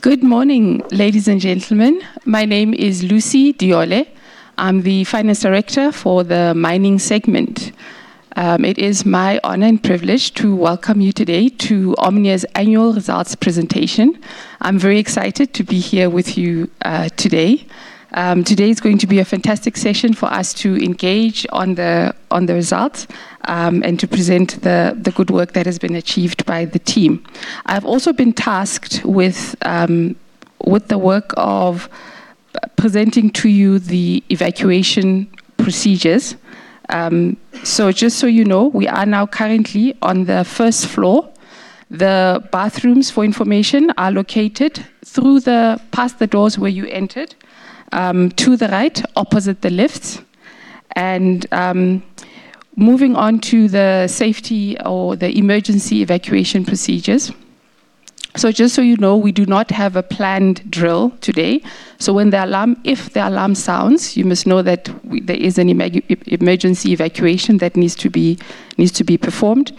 Good morning, ladies and gentlemen. My name is Lucy Diyole. I am the Finance Director for the mining segment. It is my honor and privilege to welcome you today to Omnia's annual results presentation. I am very excited to be here with you today. Today's going to be a fantastic session for us to engage on the results, and to present the good work that has been achieved by the team. I have also been tasked with the work of presenting to you the evacuation procedures. Just so you know, we are now currently on the first floor. The bathrooms, for information, are located past the doors where you entered, to the right, opposite the lifts. Moving on to the safety or the emergency evacuation procedures. Just so you know, we do not have a planned drill today. If the alarm sounds, you must know that there is an emergency evacuation that needs to be performed.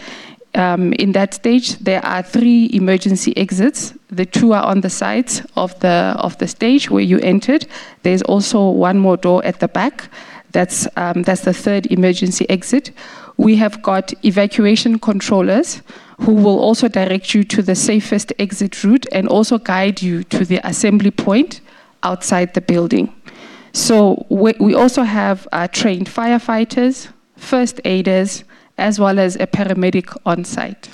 In that stage, there are three emergency exits. The two are on the sides of the stage where you entered. There is also one more door at the back. That's the third emergency exit. We have got evacuation controllers who will also direct you to the safest exit route, and also guide you to the assembly point outside the building. We also have trained firefighters, first aiders, as well as a paramedic on-site.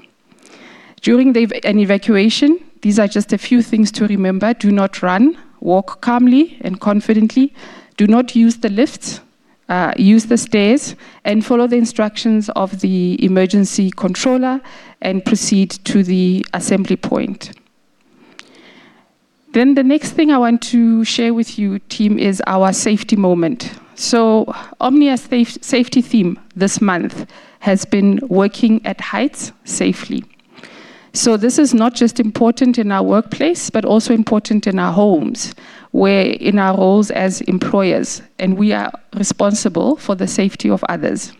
During an evacuation, these are just a few things to remember. Do not run. Walk calmly and confidently. Do not use the lifts. Use the stairs and follow the instructions of the emergency controller and proceed to the assembly point. The next thing I want to share with you, team, is our safety moment. Omnia's safety theme this month has been working at heights safely. This is not just important in our workplace, but also important in our homes, where in our roles as employers, we are responsible for the safety of others.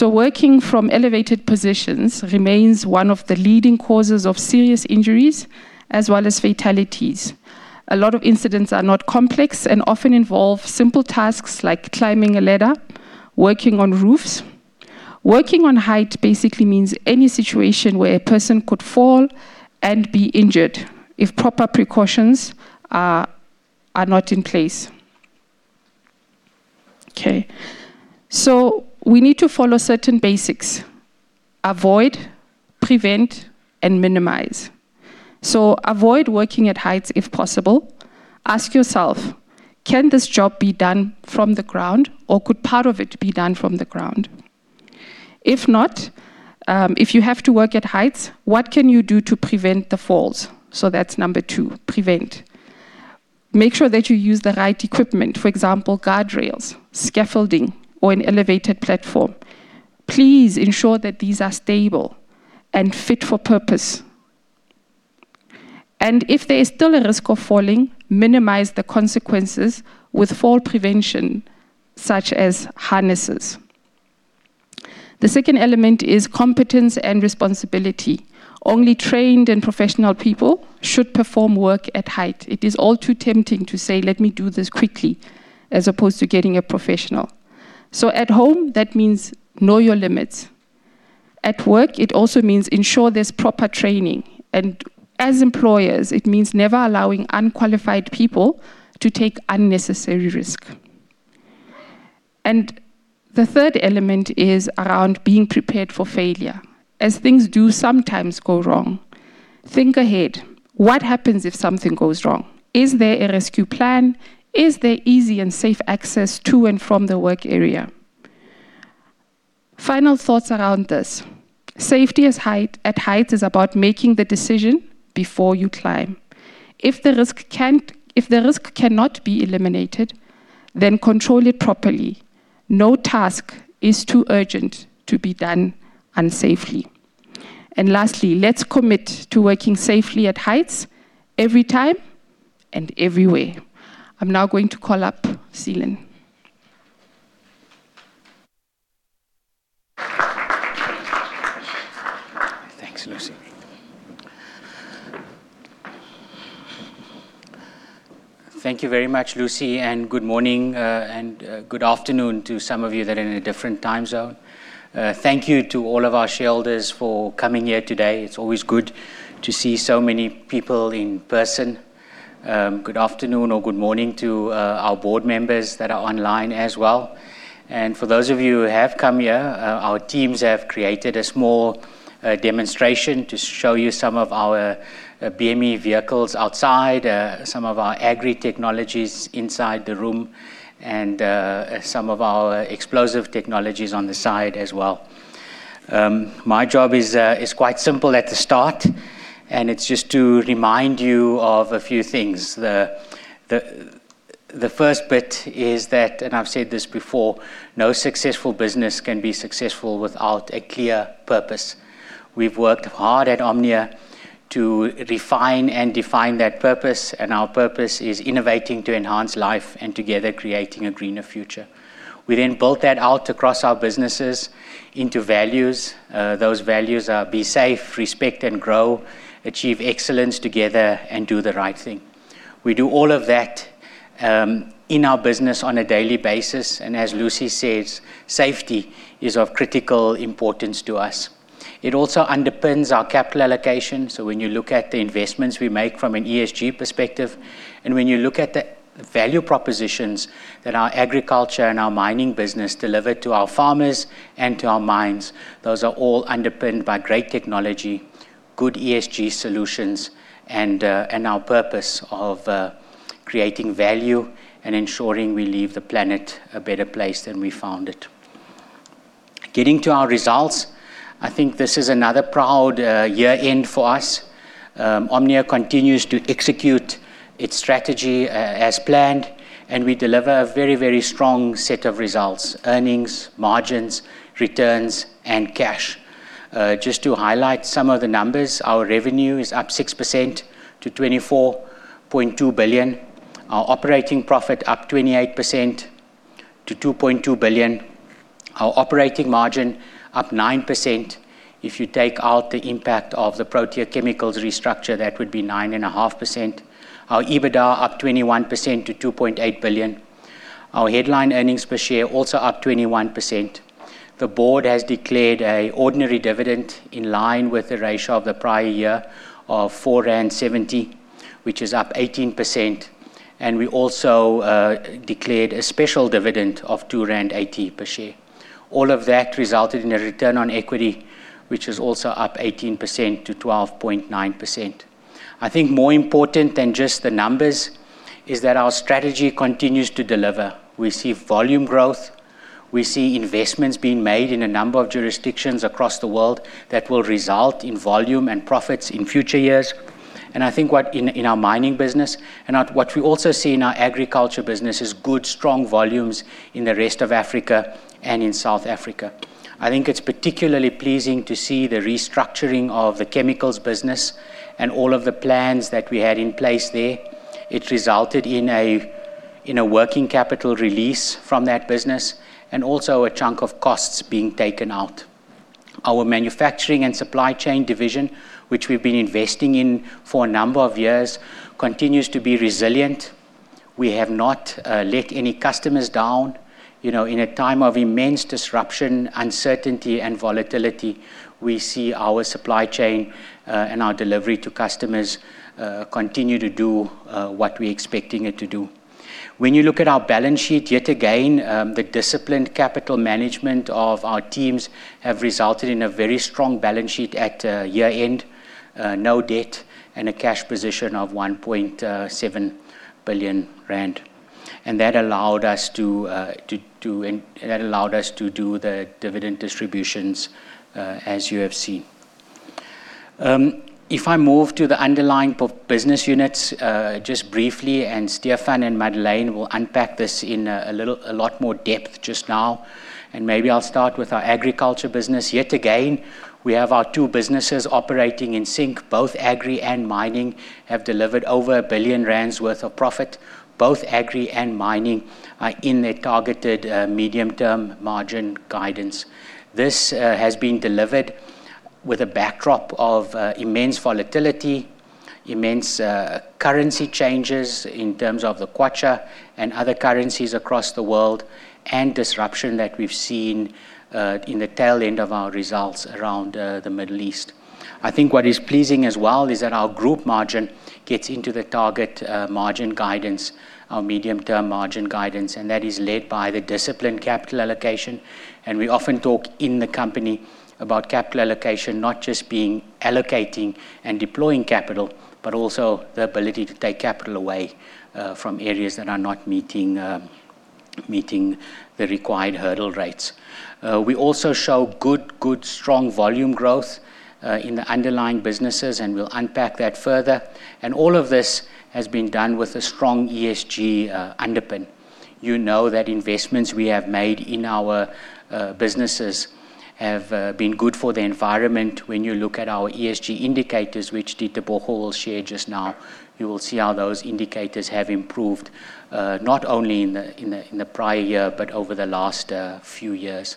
Working from elevated positions remains one of the leading causes of serious injuries as well as fatalities. A lot of incidents are not complex and often involve simple tasks like climbing a ladder, working on roofs. Working on height basically means any situation where a person could fall and be injured if proper precautions are not in place. Okay. We need to follow certain basics. Avoid, prevent, and minimize. Avoid working at heights if possible. Ask yourself, can this job be done from the ground or could part of it be done from the ground? If not, if you have to work at heights, what can you do to prevent the falls? That's number two, prevent. Make sure that you use the right equipment, for example, guardrails, scaffolding, or an elevated platform. Please ensure that these are stable and fit for purpose. If there is still a risk of falling, minimize the consequences with fall prevention such as harnesses. The second element is competence and responsibility. Only trained and professional people should perform work at height. It is all too tempting to say, "Let me do this quickly," as opposed to getting a professional. At home, that means know your limits. At work, it also means ensure there is proper training, and as employers, it means never allowing unqualified people to take unnecessary risk. The third element is around being prepared for failure, as things do sometimes go wrong. Think ahead. What happens if something goes wrong? Is there a rescue plan? Is there easy and safe access to and from the work area? Final thoughts around this. Safety at heights is about making the decision before you climb. If the risk cannot be eliminated, control it properly. No task is too urgent to be done unsafely. Lastly, let's commit to working safely at heights every time and everywhere. I'm now going to call up Seelan. Thanks, Lucy. Thank you very much, Lucy, good morning, and good afternoon to some of you that are in a different time zone. Thank you to all of our shareholders for coming here today. It's always good to see so many people in person. Good afternoon or good morning to our board members that are online as well. For those of you who have come here, our teams have created a small demonstration to show you some of our BME vehicles outside, some of our agri technologies inside the room, and some of our explosive technologies on the side as well. My job is quite simple at the start, it's just to remind you of a few things. The first bit is that, I've said this before, no successful business can be successful without a clear purpose. We've worked hard at Omnia to refine and define that purpose, our purpose is innovating to enhance life and together creating a greener future. We built that out across our businesses into values. Those values are be safe, respect and grow, achieve excellence together, and do the right thing. We do all of that in our business on a daily basis, as Lucy says, safety is of critical importance to us. It also underpins our capital allocation, so when you look at the investments we make from an ESG perspective, when you look at the value propositions that our agriculture and our mining business deliver to our farmers and to our mines, those are all underpinned by great technology, good ESG solutions, and our purpose of creating value and ensuring we leave the planet a better place than we found it. Getting to our results, I think this is another proud year-end for us. Omnia continues to execute its strategy as planned, we deliver a very, very strong set of results, earnings, margins, returns, and cash. Just to highlight some of the numbers, our revenue is up 6% to 24.2 billion. Our operating profit up 28% to 2.2 billion. Our operating margin up 9%. If you take out the impact of the Protea Chemicals restructure, that would be 9.5%. Our EBITDA up 21% to 2.8 billion. Our headline earnings per share also up 21%. The board has declared an ordinary dividend in line with the ratio of the prior year of 4.70, which is up 18%, we also declared a special dividend of 2.80 rand per share. All of that resulted in a return on equity, which is also up 18% to 12.9%. I think more important than just the numbers is that our strategy continues to deliver. We see volume growth we see investments being made in a number of jurisdictions across the world that will result in volume and profits in future years. I think what, in our Mining business, and what we also see in our Agriculture business, is good, strong volumes in the rest of Africa and in South Africa. I think it's particularly pleasing to see the restructuring of the Chemicals business and all of the plans that we had in place there. It resulted in a working capital release from that business, and also a chunk of costs being taken out. Our Manufacturing and Supply Chain division, which we've been investing in for a number of years, continues to be resilient. We have not let any customers down. In a time of immense disruption, uncertainty, and volatility, we see our supply chain, and our delivery to customers, continue to do what we're expecting it to do. When you look at our balance sheet, yet again, the disciplined capital management of our teams have resulted in a very strong balance sheet at year-end, no debt, and a cash position of 1.7 billion rand. That allowed us to do the dividend distributions, as you have seen. If I move to the underlying business units, just briefly, Stephan and Madeleine will unpack this in a lot more depth just now, and maybe I'll start with our Agriculture business. Yet again, we have our two businesses operating in sync. Both Agri and Mining have delivered over 1 billion rand worth of profit. Both Agri and Mining are in their targeted medium-term margin guidance. This has been delivered with a backdrop of immense volatility, immense currency changes in terms of the kwacha and other currencies across the world, and disruption that we've seen in the tail end of our results around the Middle East. I think what is pleasing as well is that our group margin gets into the target margin guidance, our medium-term margin guidance, that is led by the disciplined capital allocation. We often talk in the company about capital allocation not just being allocating and deploying capital, but also the ability to take capital away from areas that are not meeting the required hurdle rates. We also show good, strong volume growth in the underlying businesses, we'll unpack that further. All of this has been done with a strong ESG underpin. You know that investments we have made in our businesses have been good for the environment. When you look at our ESG indicators, which Ditebogo will share just now, you will see how those indicators have improved, not only in the prior year, but over the last few years.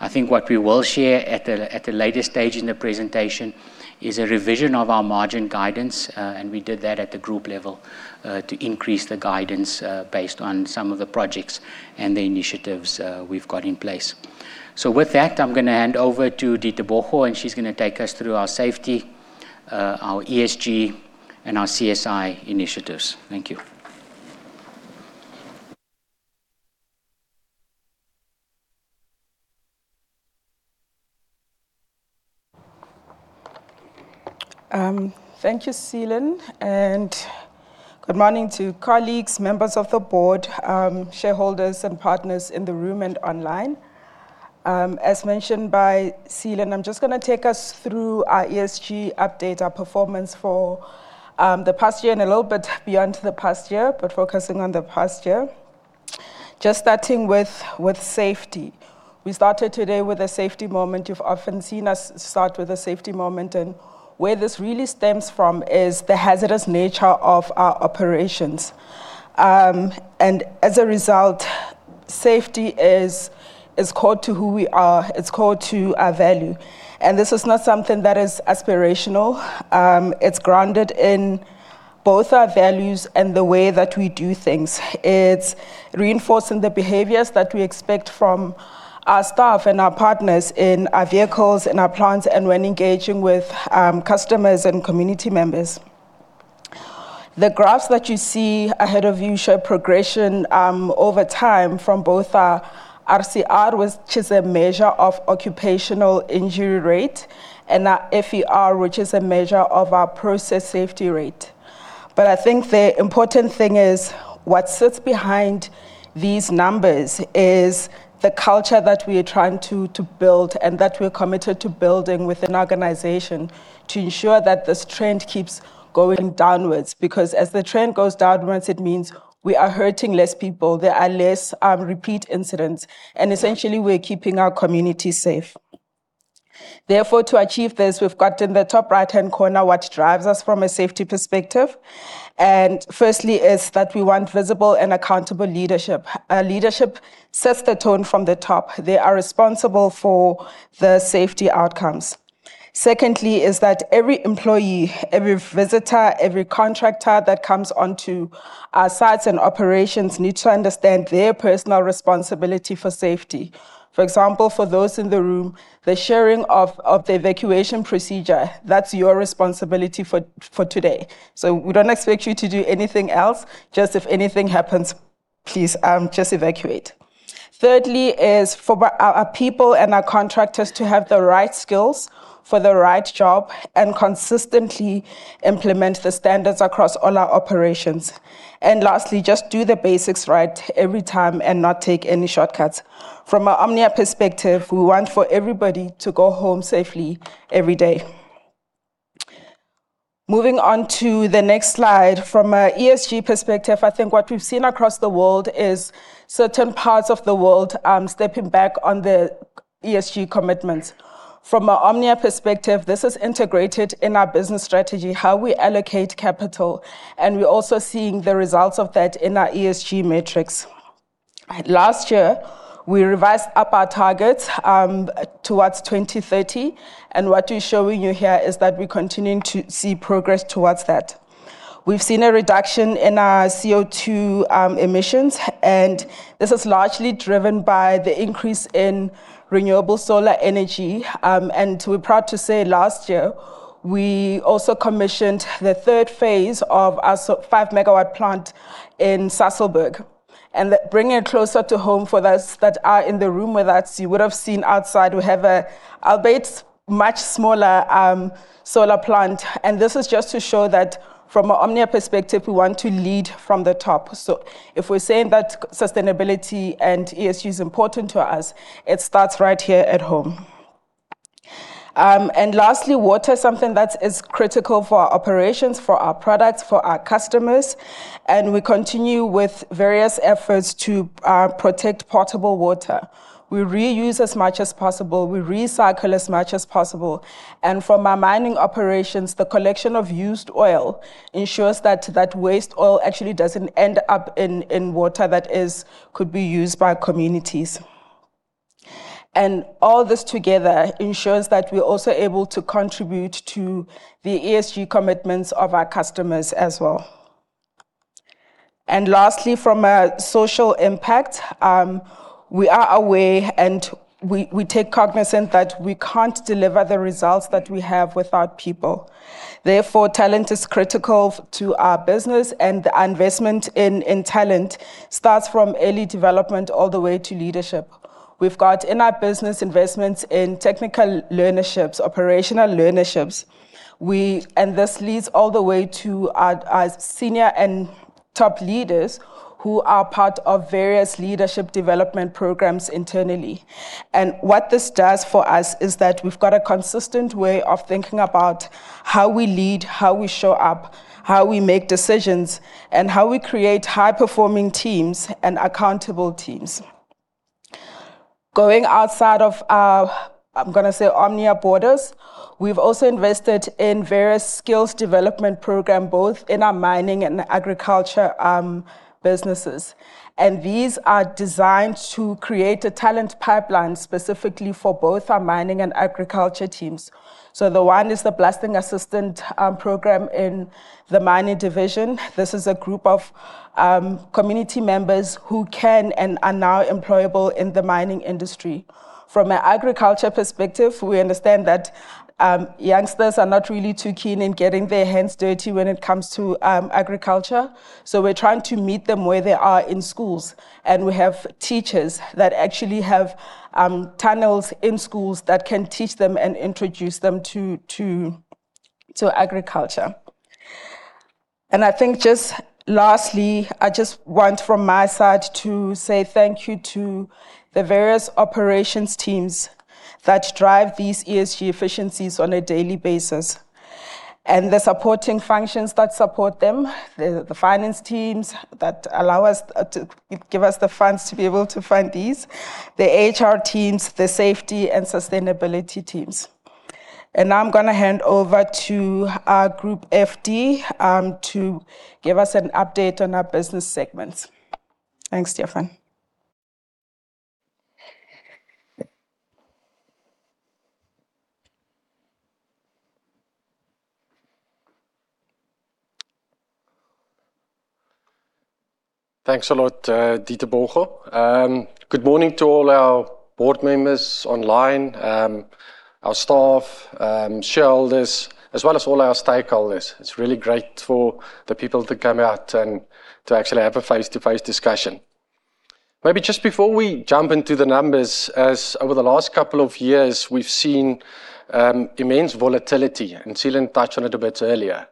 I think what we will share at the later stage in the presentation is a revision of our margin guidance, we did that at the group level to increase the guidance based on some of the projects and the initiatives we've got in place. With that, I'm going to hand over to Ditebogo, she's going to take us through our safety, our ESG, and our CSI initiatives. Thank you. Thank you, Seelan, good morning to colleagues, members of the board, shareholders, and partners in the room and online. As mentioned by Seelan, I'm just going to take us through our ESG update, our performance for the past year and a little bit beyond the past year, but focusing on the past year. Just starting with safety. We started today with a safety moment. You've often seen us start with a safety moment, where this really stems from is the hazardous nature of our operations. As a result, safety is core to who we are, it's core to our value. This is not something that is aspirational. It's grounded in both our values and the way that we do things. It's reinforcing the behaviors that we expect from our staff and our partners in our vehicles, in our plants, and when engaging with customers and community members. The graphs that you see ahead of you show progression over time from both our RCR, which is a measure of occupational injury rate, and our FER, which is a measure of our process safety rate. I think the important thing is what sits behind these numbers is the culture that we are trying to build and that we're committed to building with an organization to ensure that this trend keeps going downwards. As the trend goes downwards, it means we are hurting less people, there are less repeat incidents, and essentially, we're keeping our community safe. Therefore, to achieve this, we've got in the top right-hand corner what drives us from a safety perspective. Firstly, is that we want visible and accountable leadership. Leadership sets the tone from the top. They are responsible for the safety outcomes. Secondly is that every employee, every visitor, every contractor that comes onto our sites and operations needs to understand their personal responsibility for safety. For example, for those in the room, the sharing of the evacuation procedure, that's your responsibility for today. We don't expect you to do anything else. Just if anything happens, please, just evacuate. Thirdly is for our people and our contractors to have the right skills for the right job and consistently implement the standards across all our operations. Lastly, just do the basics right every time and not take any shortcuts. From an Omnia perspective, we want for everybody to go home safely every day. Moving on to the next slide. From an ESG perspective, I think what we've seen across the world is certain parts of the world stepping back on their ESG commitments. From an Omnia perspective, this is integrated in our business strategy, how we allocate capital, we're also seeing the results of that in our ESG metrics. Last year, we revised up our targets towards 2030, what we're showing you here is that we're continuing to see progress towards that. We've seen a reduction in our CO2 emissions, this is largely driven by the increase in renewable solar energy. We're proud to say last year, we also commissioned the third phase of our 5 MW plant in Sasolburg. Bringing it closer to home for those that are in the room with us, you would have seen outside we have a, albeit much smaller, solar plant. This is just to show that from an Omnia perspective, we want to lead from the top. If we're saying that sustainability and ESG is important to us, it starts right here at home. Lastly, water is something that is critical for our operations, for our products, for our customers, and we continue with various efforts to protect potable water. We reuse as much as possible, we recycle as much as possible. From our mining operations, the collection of used oil ensures that that waste oil actually doesn't end up in water that could be used by communities. All this together ensures that we're also able to contribute to the ESG commitments of our customers as well. Lastly, from a social impact, we are aware and we take cognizance that we can't deliver the results that we have without people. Therefore, talent is critical to our business and our investment in talent starts from early development all the way to leadership. We've got in our business investments in technical learnerships, operational learnerships. This leads all the way to our senior and top leaders who are part of various leadership development programs internally. What this does for us is that we've got a consistent way of thinking about how we lead, how we show up, how we make decisions, and how we create high-performing teams and accountable teams. Going outside of our, I'm going to say, Omnia borders, we've also invested in various skills development program, both in our mining and agriculture businesses. These are designed to create a talent pipeline specifically for both our mining and agriculture teams. The one is the blasting assistant program in the mining division. This is a group of community members who can and are now employable in the mining industry. From an agriculture perspective, we understand that youngsters are not really too keen in getting their hands dirty when it comes to agriculture. So we're trying to meet them where they are in schools, and we have teachers that actually have tunnels in schools that can teach them and introduce them to agriculture. I think just lastly, I just want from my side to say thank you to the various operations teams that drive these ESG efficiencies on a daily basis. The supporting functions that support them, the finance teams that allow us to give us the funds to be able to fund these, the HR teams, the safety and sustainability teams. Now I'm going to hand over to our Group FD, to give us an update on our business segments. Thanks, Stephan. Thanks a lot, Ditebogo. Good morning to all our board members online, our staff, shareholders, as well as all our stakeholders. It's really great for the people to come out and to actually have a face-to-face discussion. Maybe just before we jump into the numbers, as over the last couple of years, we've seen immense volatility, and Seelan touched on it a bit earlier.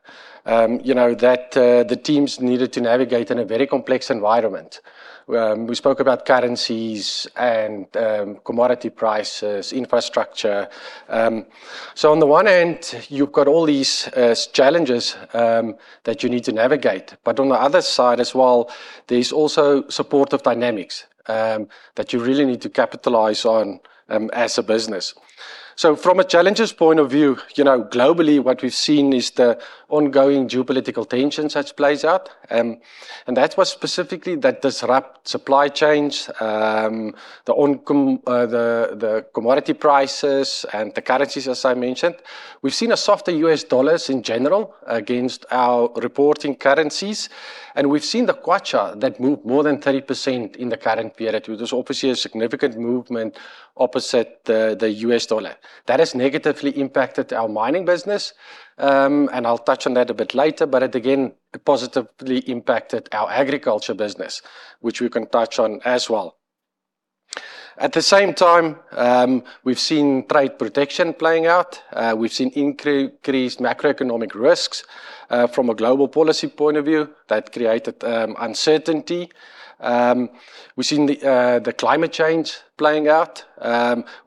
That the teams needed to navigate in a very complex environment. We spoke about currencies and commodity prices, infrastructure. On the one hand, you've got all these challenges that you need to navigate. On the other side as well, there's also supportive dynamics that you really need to capitalize on as a business. From a challenges point of view, globally what we've seen is the ongoing geopolitical tensions that plays out. That was specifically that disrupt supply chains, the commodity prices, and the currencies, as I mentioned. We've seen a softer U.S. dollars in general against our reporting currencies. We've seen the kwacha that moved more than 30% in the current period, which is obviously a significant movement opposite the U.S. dollar. That has negatively impacted our mining business, and I'll touch on that a bit later. It again positively impacted our agriculture business, which we can touch on as well. At the same time, we've seen trade protection playing out. We've seen increased macroeconomic risks from a global policy point of view that created uncertainty. We've seen the climate change playing out.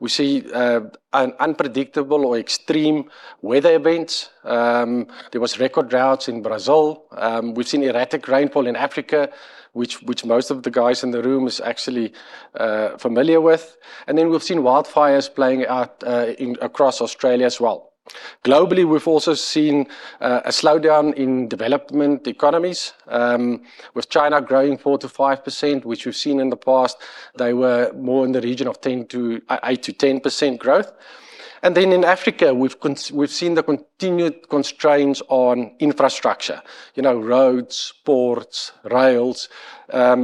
We see unpredictable or extreme weather events. There was record droughts in Brazil. We've seen erratic rainfall in Africa, which most of the guys in the room is actually familiar with. We've seen wildfires playing out across Australia as well. Globally, we've also seen a slowdown in development economies, with China growing 4%-5%, which we've seen in the past, they were more in the region of 8%-10% growth. In Africa, we've seen the continued constraints on infrastructure. Roads, ports, rails.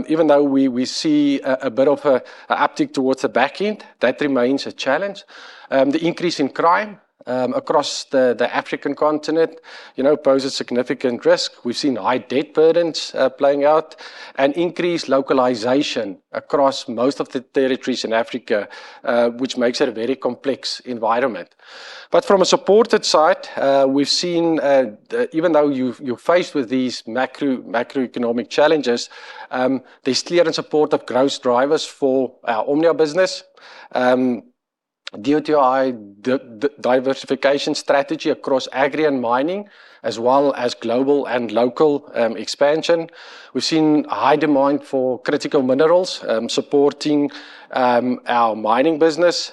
Even though we see a bit of an uptick towards the back end, that remains a challenge. The increase in crime across the African continent poses significant risk. We've seen high debt burdens playing out and increased localization across most of the territories in Africa, which makes it a very complex environment. From a supported side, we've seen, even though you're faced with these macroeconomic challenges, there's clear and supportive growth drivers for our Omnia business due to our diversification strategy across Agri and mining, as well as global and local expansion. We've seen high demand for critical minerals supporting our mining business.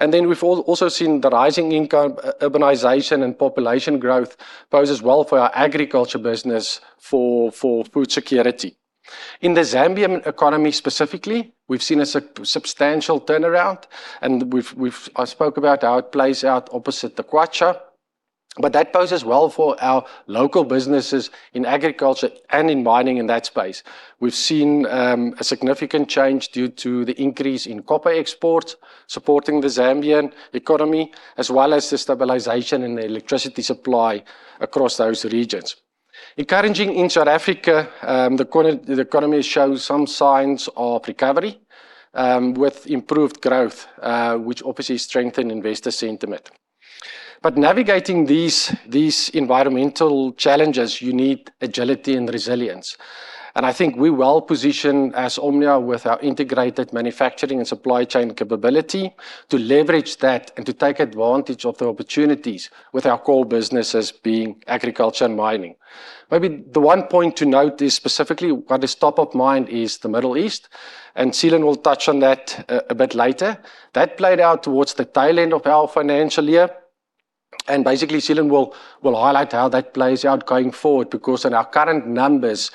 We've also seen the rising income, urbanization, and population growth poses well for our agriculture business for food security. In the Zambian economy specifically, we've seen a substantial turnaround, and I spoke about how it plays out opposite the kwacha. That poses well for our local businesses in agriculture and in mining in that space. We've seen a significant change due to the increase in copper exports supporting the Zambian economy, as well as the stabilization in the electricity supply across those regions. Encouraging in South Africa, the economy shows some signs of recovery, with improved growth, which obviously strengthen investor sentiment. Navigating these environmental challenges, you need agility and resilience. I think we're well-positioned as Omnia with our integrated manufacturing and supply chain capability to leverage that and to take advantage of the opportunities with our core businesses being agriculture and mining. Maybe the one point to note is specifically what is top of mind is the Middle East, and Seelan will touch on that a bit later. That played out towards the tail end of our financial year, and basically, Seelan will highlight how that plays out going forward because in our current numbers,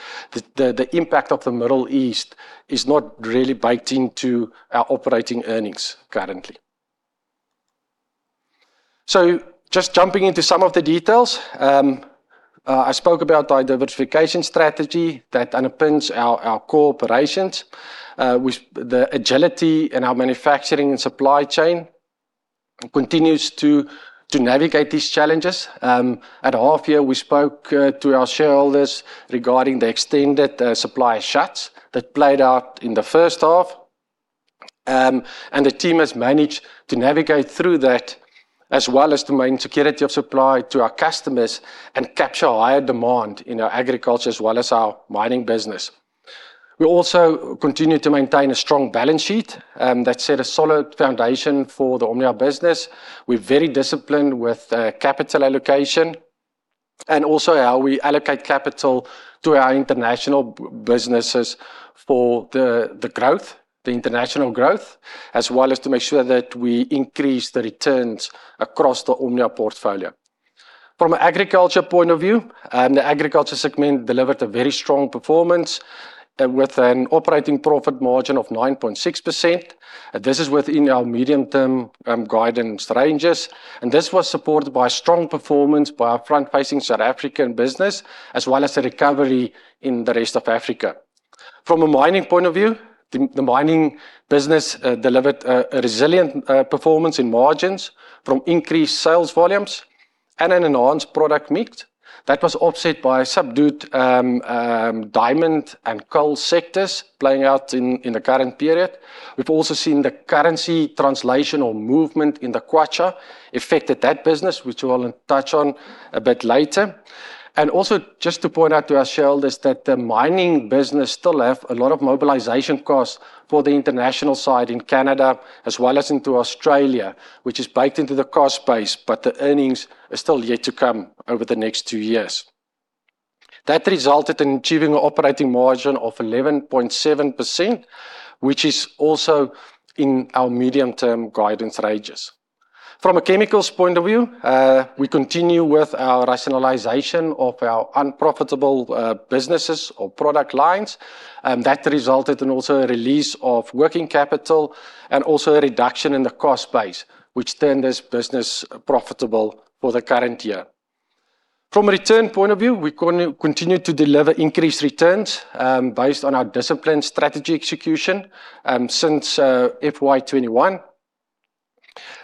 the impact of the Middle East is not really biting to our operating earnings currently. Just jumping into some of the details. I spoke about our diversification strategy that underpins our core operations with the agility in our manufacturing and supply chain continues to navigate these challenges. At half year, we spoke to our shareholders regarding the extended supply shuts that played out in the first half. The team has managed to navigate through that, as well as to maintain security of supply to our customers and capture higher demand in our agriculture as well as our mining business. We also continue to maintain a strong balance sheet that set a solid foundation for the Omnia business. We're very disciplined with capital allocation and also how we allocate capital to our international businesses for the growth, the international growth, as well as to make sure that we increase the returns across the Omnia portfolio. From an agriculture point of view, the agriculture segment delivered a very strong performance with an operating profit margin of 9.6%. This is within our medium-term guidance ranges. This was supported by strong performance by our front-facing South African business, as well as a recovery in the rest of Africa. From a mining point of view, the mining business delivered a resilient performance in margins from increased sales volumes and an enhanced product mix that was offset by subdued diamond and coal sectors playing out in the current period. We've also seen the currency translation or movement in the kwacha affected that business, which I will touch on a bit later. Just to point out to our shareholders that the mining business still have a lot of mobilization costs for the international side in Canada as well as into Australia, which is baked into the cost base, but the earnings are still yet to come over the next two years. That resulted in achieving an operating margin of 11.7%, which is also in our medium-term guidance ranges. From a chemicals point of view, we continue with our rationalization of our unprofitable businesses or product lines. That resulted in also a release of working capital and also a reduction in the cost base, which turned this business profitable for the current year. From a return point of view, we continue to deliver increased returns based on our disciplined strategy execution since FY 2021.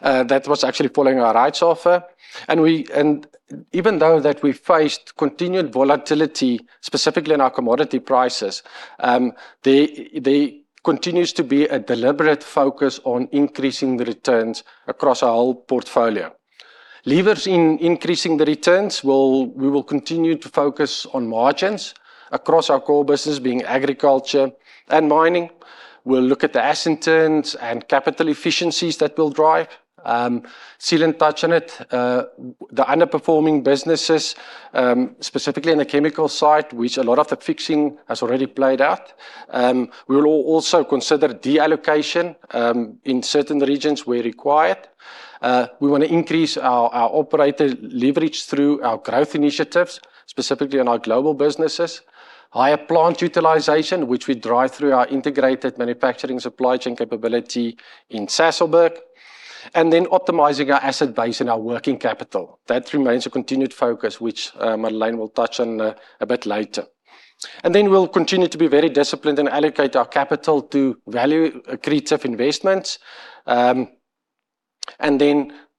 That was actually following our rights offer. Even though that we faced continued volatility, specifically in our commodity prices, there continues to be a deliberate focus on increasing the returns across our whole portfolio. Levers in increasing the returns, we will continue to focus on margins across our core business being agriculture and mining. We'll look at the asset turns and capital efficiencies that will drive. Seelan touched on it. The underperforming businesses, specifically in the chemical side, which a lot of the fixing has already played out. We will also consider deallocation in certain regions where required. We want to increase our operator leverage through our growth initiatives, specifically in our global businesses. Higher plant utilization, which we drive through our integrated manufacturing supply chain capability in Sasolburg. Optimizing our asset base and our working capital. That remains a continued focus, which Madeleine will touch on a bit later. We'll continue to be very disciplined and allocate our capital to value accretive investments.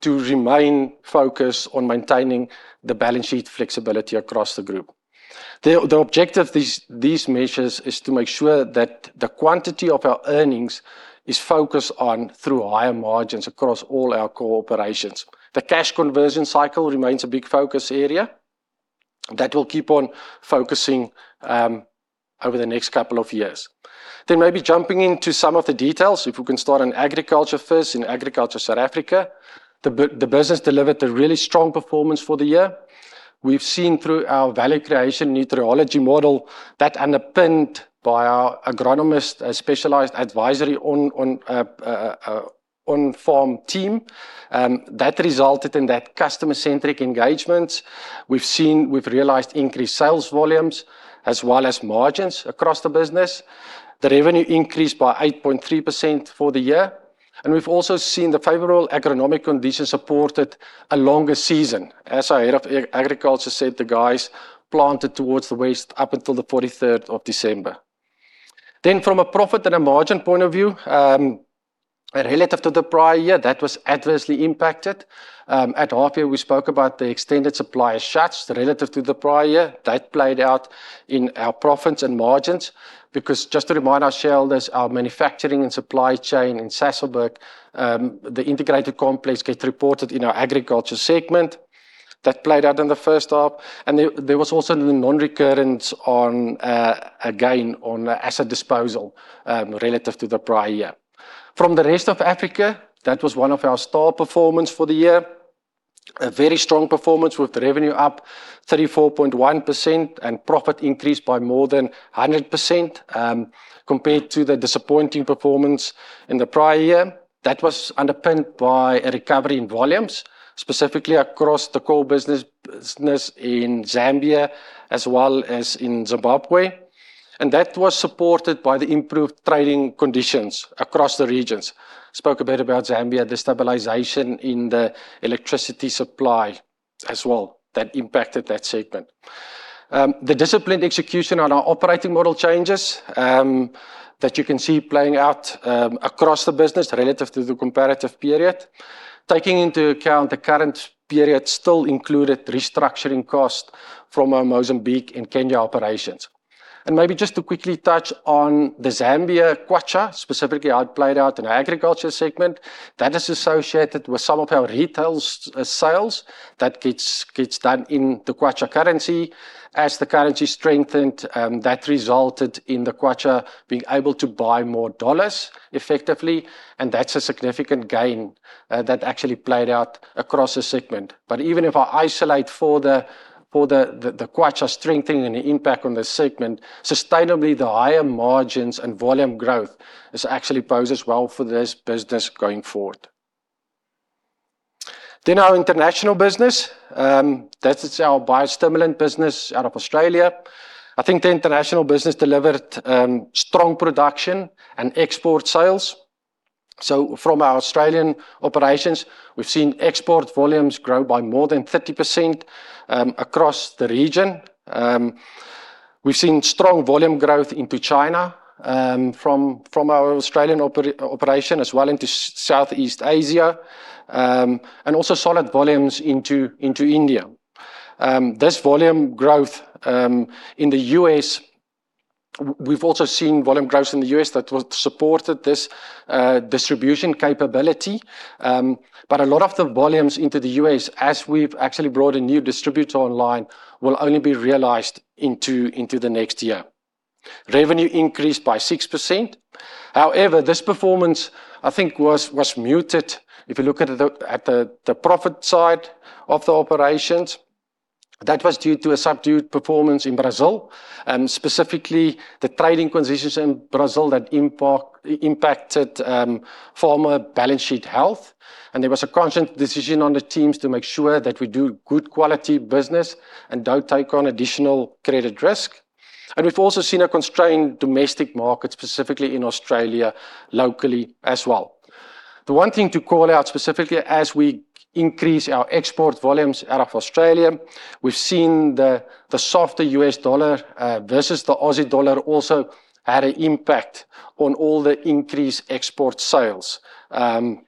To remain focused on maintaining the balance sheet flexibility across the group. The objective of these measures is to make sure that the quantity of our earnings is focused on through higher margins across all our core operations. The cash conversion cycle remains a big focus area that we'll keep on focusing over the next couple of years. Maybe jumping into some of the details. If we can start on agriculture first. In agriculture, South Africa, the business delivered a really strong performance for the year. We've seen through our value creation Nutriology model that underpinned by our agronomist, a specialized advisory on farm team. That resulted in that customer-centric engagements. We've realized increased sales volumes as well as margins across the business. The revenue increased by 8.3% for the year. We've also seen the favorable agronomic conditions supported a longer season. As our head of agriculture said, the guys planted towards the west up until the 23rd of December. From a profit and a margin point of view, relative to the prior year, that was adversely impacted. At half year, we spoke about the extended supply shuts relative to the prior year. That played out in our profits and margins because just to remind our shareholders, our manufacturing and supply chain in Sasolburg, the integrated complex gets reported in our agriculture segment. That played out in the first half. There was also the non-reoccurrence on a gain on asset disposal relative to the prior year. From the rest of Africa, that was one of our star performance for the year. A very strong performance with revenue up 34.1% and profit increased by more than 100% compared to the disappointing performance in the prior year. That was underpinned by a recovery in volumes, specifically across the core business in Zambia as well as in Zimbabwe. That was supported by the improved trading conditions across the regions. Spoke a bit about Zambia, the stabilization in the electricity supply as well that impacted that segment. The disciplined execution on our operating model changes that you can see playing out across the business relative to the comparative period. Taking into account the current period still included restructuring cost from our Mozambique and Kenya operations. Maybe just to quickly touch on the Zambia kwacha, specifically how it played out in our agriculture segment, that is associated with some of our retail sales that gets done in the kwacha currency. As the currency strengthened, that resulted in the kwacha being able to buy more dollars effectively, and that's a significant gain that actually played out across the segment. Even if I isolate for the kwacha strengthening and the impact on the segment, sustainably, the higher margins and volume growth is actually bodes as well for this business going forward. Our international business, that is our biostimulant business out of Australia. I think the international business delivered strong production and export sales. From our Australian operations, we've seen export volumes grow by more than 30% across the region. We've seen strong volume growth into China from our Australian operation as well into Southeast Asia. Also solid volumes into India. We've also seen volume growth in the U.S. that supported this distribution capability. A lot of the volumes into the U.S., as we've actually brought a new distributor online, will only be realized into the next year. Revenue increased by 6%. However, this performance, I think, was muted. If you look at the profit side of the operations, that was due to a subdued performance in Brazil, and specifically, the trading conditions in Brazil that impacted farmer balance sheet health. There was a conscious decision on the teams to make sure that we do good quality business and don't take on additional credit risk. We've also seen a constrained domestic market, specifically in Australia locally as well. The one thing to call out specifically as we increase our export volumes out of Australia, we've seen the softer U.S. dollar versus the Aussie dollar also had an impact on all the increased export sales out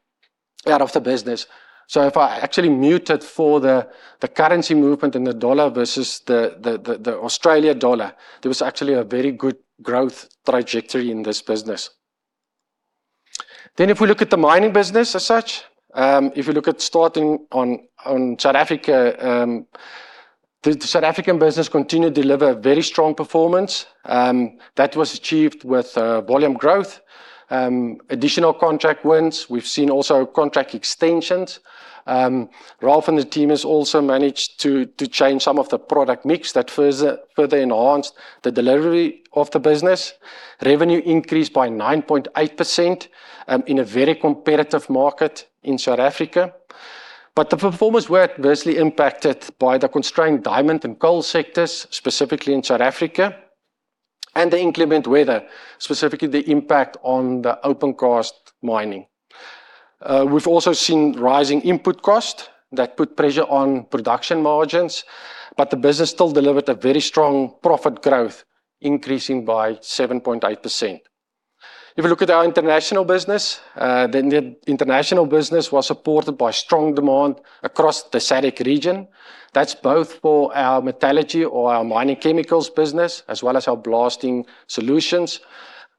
of the business. If I actually mute it for the currency movement and the dollar versus the Australian dollar, there was actually a very good growth trajectory in this business. If we look at the mining business as such, if we look at starting on South Africa. The South African business continued to deliver a very strong performance that was achieved with volume growth, additional contract wins. We've seen also contract extensions. Ralf and the team has also managed to change some of the product mix that further enhanced the delivery of the business. Revenue increased by 9.8% in a very competitive market in South Africa. The performance were adversely impacted by the constrained diamond and coal sectors, specifically in South Africa, and the inclement weather, specifically the impact on the open cast mining. The business still delivered a very strong profit growth, increasing by 7.8%. If you look at our international business, the international business was supported by strong demand across the SADC region. That's both for our metallurgy or our mining chemicals business as well as our blasting solutions.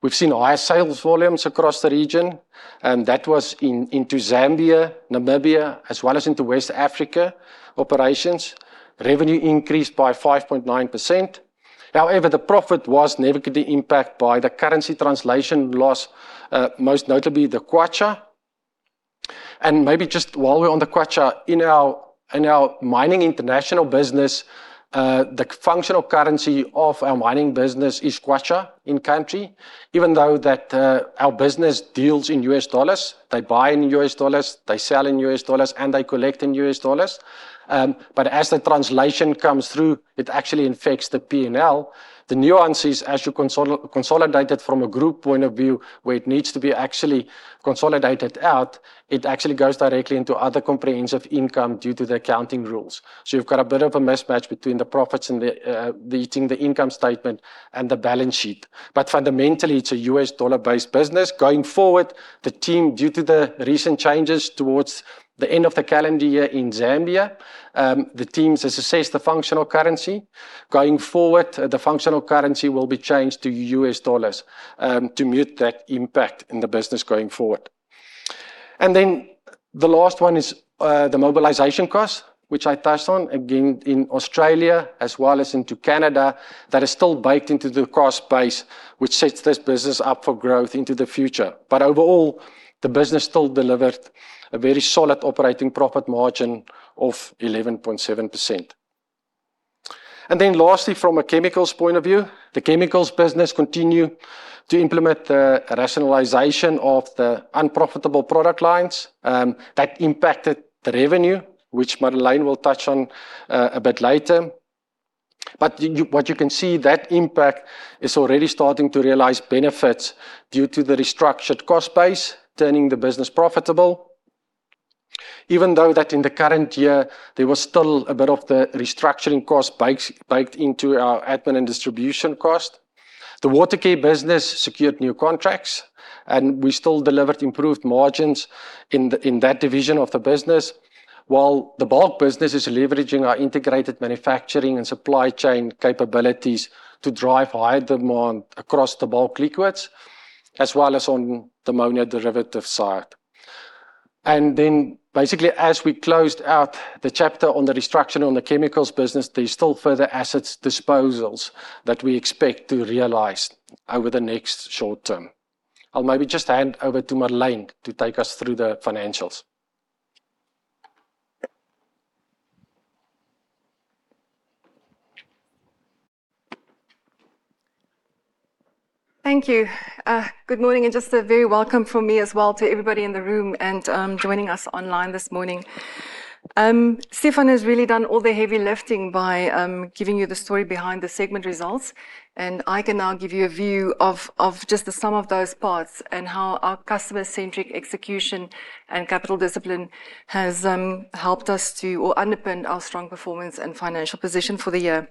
We've seen higher sales volumes across the region, and that was into Zambia, Namibia, as well as into West Africa operations. Revenue increased by 5.9%. The profit was negatively impacted by the currency translation loss, most notably the kwacha. Maybe just while we're on the kwacha, in our mining international business, the functional currency of our mining business is kwacha in country, even though that our business deals in U.S. dollars. They buy in U.S. dollars, they sell in U.S. dollars, and they collect in U.S. dollars. As the translation comes through, it actually infects the P&L. The nuance is as you consolidate it from a group point of view, where it needs to be actually consolidated out, it actually goes directly into other comprehensive income due to the accounting rules. You've got a bit of a mismatch between the profits and between the income statement and the balance sheet. Fundamentally, it's a U.S. dollar-based business. Going forward, the team, due to the recent changes towards the end of the calendar year in Zambia, the teams has assessed the functional currency. Going forward, the functional currency will be changed to U.S. dollars to mute that impact in the business going forward. The last one is the mobilization cost, which I touched on, again in Australia as well as into Canada. That is still baked into the cost base, which sets this business up for growth into the future. Overall, the business still delivered a very solid operating profit margin of 11.7%. Lastly, from a chemicals point of view, the chemicals business continued to implement the rationalization of the unprofitable product lines that impacted the revenue, which Madeleine will touch on a bit later. What you can see, that impact is already starting to realize benefits due to the restructured cost base turning the business profitable. Even though that in the current year, there was still a bit of the restructuring cost baked into our admin and distribution cost. The water care business secured new contracts. We still delivered improved margins in that division of the business, while the bulk business is leveraging our integrated manufacturing and supply chain capabilities to drive higher demand across the bulk liquids as well as on the ammonia derivative side. Basically, as we closed out the chapter on the restructuring on the chemicals business, there's still further assets disposals that we expect to realize over the next short term. I'll maybe just hand over to Madeleine to take us through the financials. Thank you. Good morning, just a very welcome from me as well to everybody in the room and joining us online this morning. Stephan has really done all the heavy lifting by giving you the story behind the segment results, and I can now give you a view of just the sum of those parts and how our customer-centric execution and capital discipline has helped us to, or underpinned our strong performance and financial position for the year.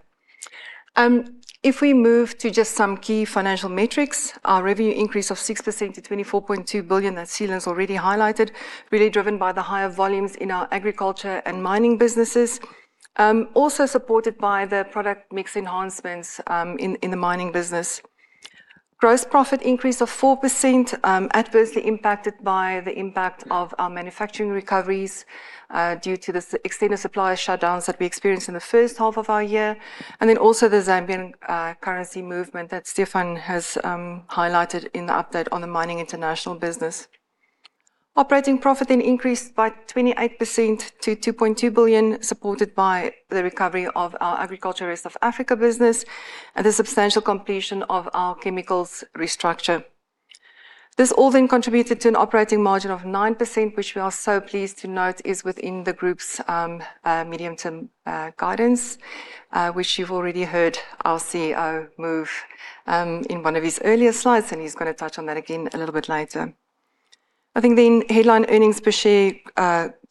If we move to just some key financial metrics, our revenue increase of 6% to 24.2 billion that Seelan's already highlighted, really driven by the higher volumes in our agriculture and mining businesses. Also supported by the product mix enhancements in the mining business. Gross profit increase of 4% adversely impacted by the impact of our manufacturing recoveries due to the extended supplier shutdowns that we experienced in the first half of our year, also the Zambian currency movement that Stephan has highlighted in the update on the Mining International business. Operating profit then increased by 28% to 2.2 billion, supported by the recovery of our agriculture rest of Africa business and the substantial completion of our chemicals restructure. This all then contributed to an operating margin of 9%, which we are so pleased to note is within the group's medium-term guidance, which you've already heard our CEO move in one of his earlier slides, he's going to touch on that again a little bit later. Headline earnings per share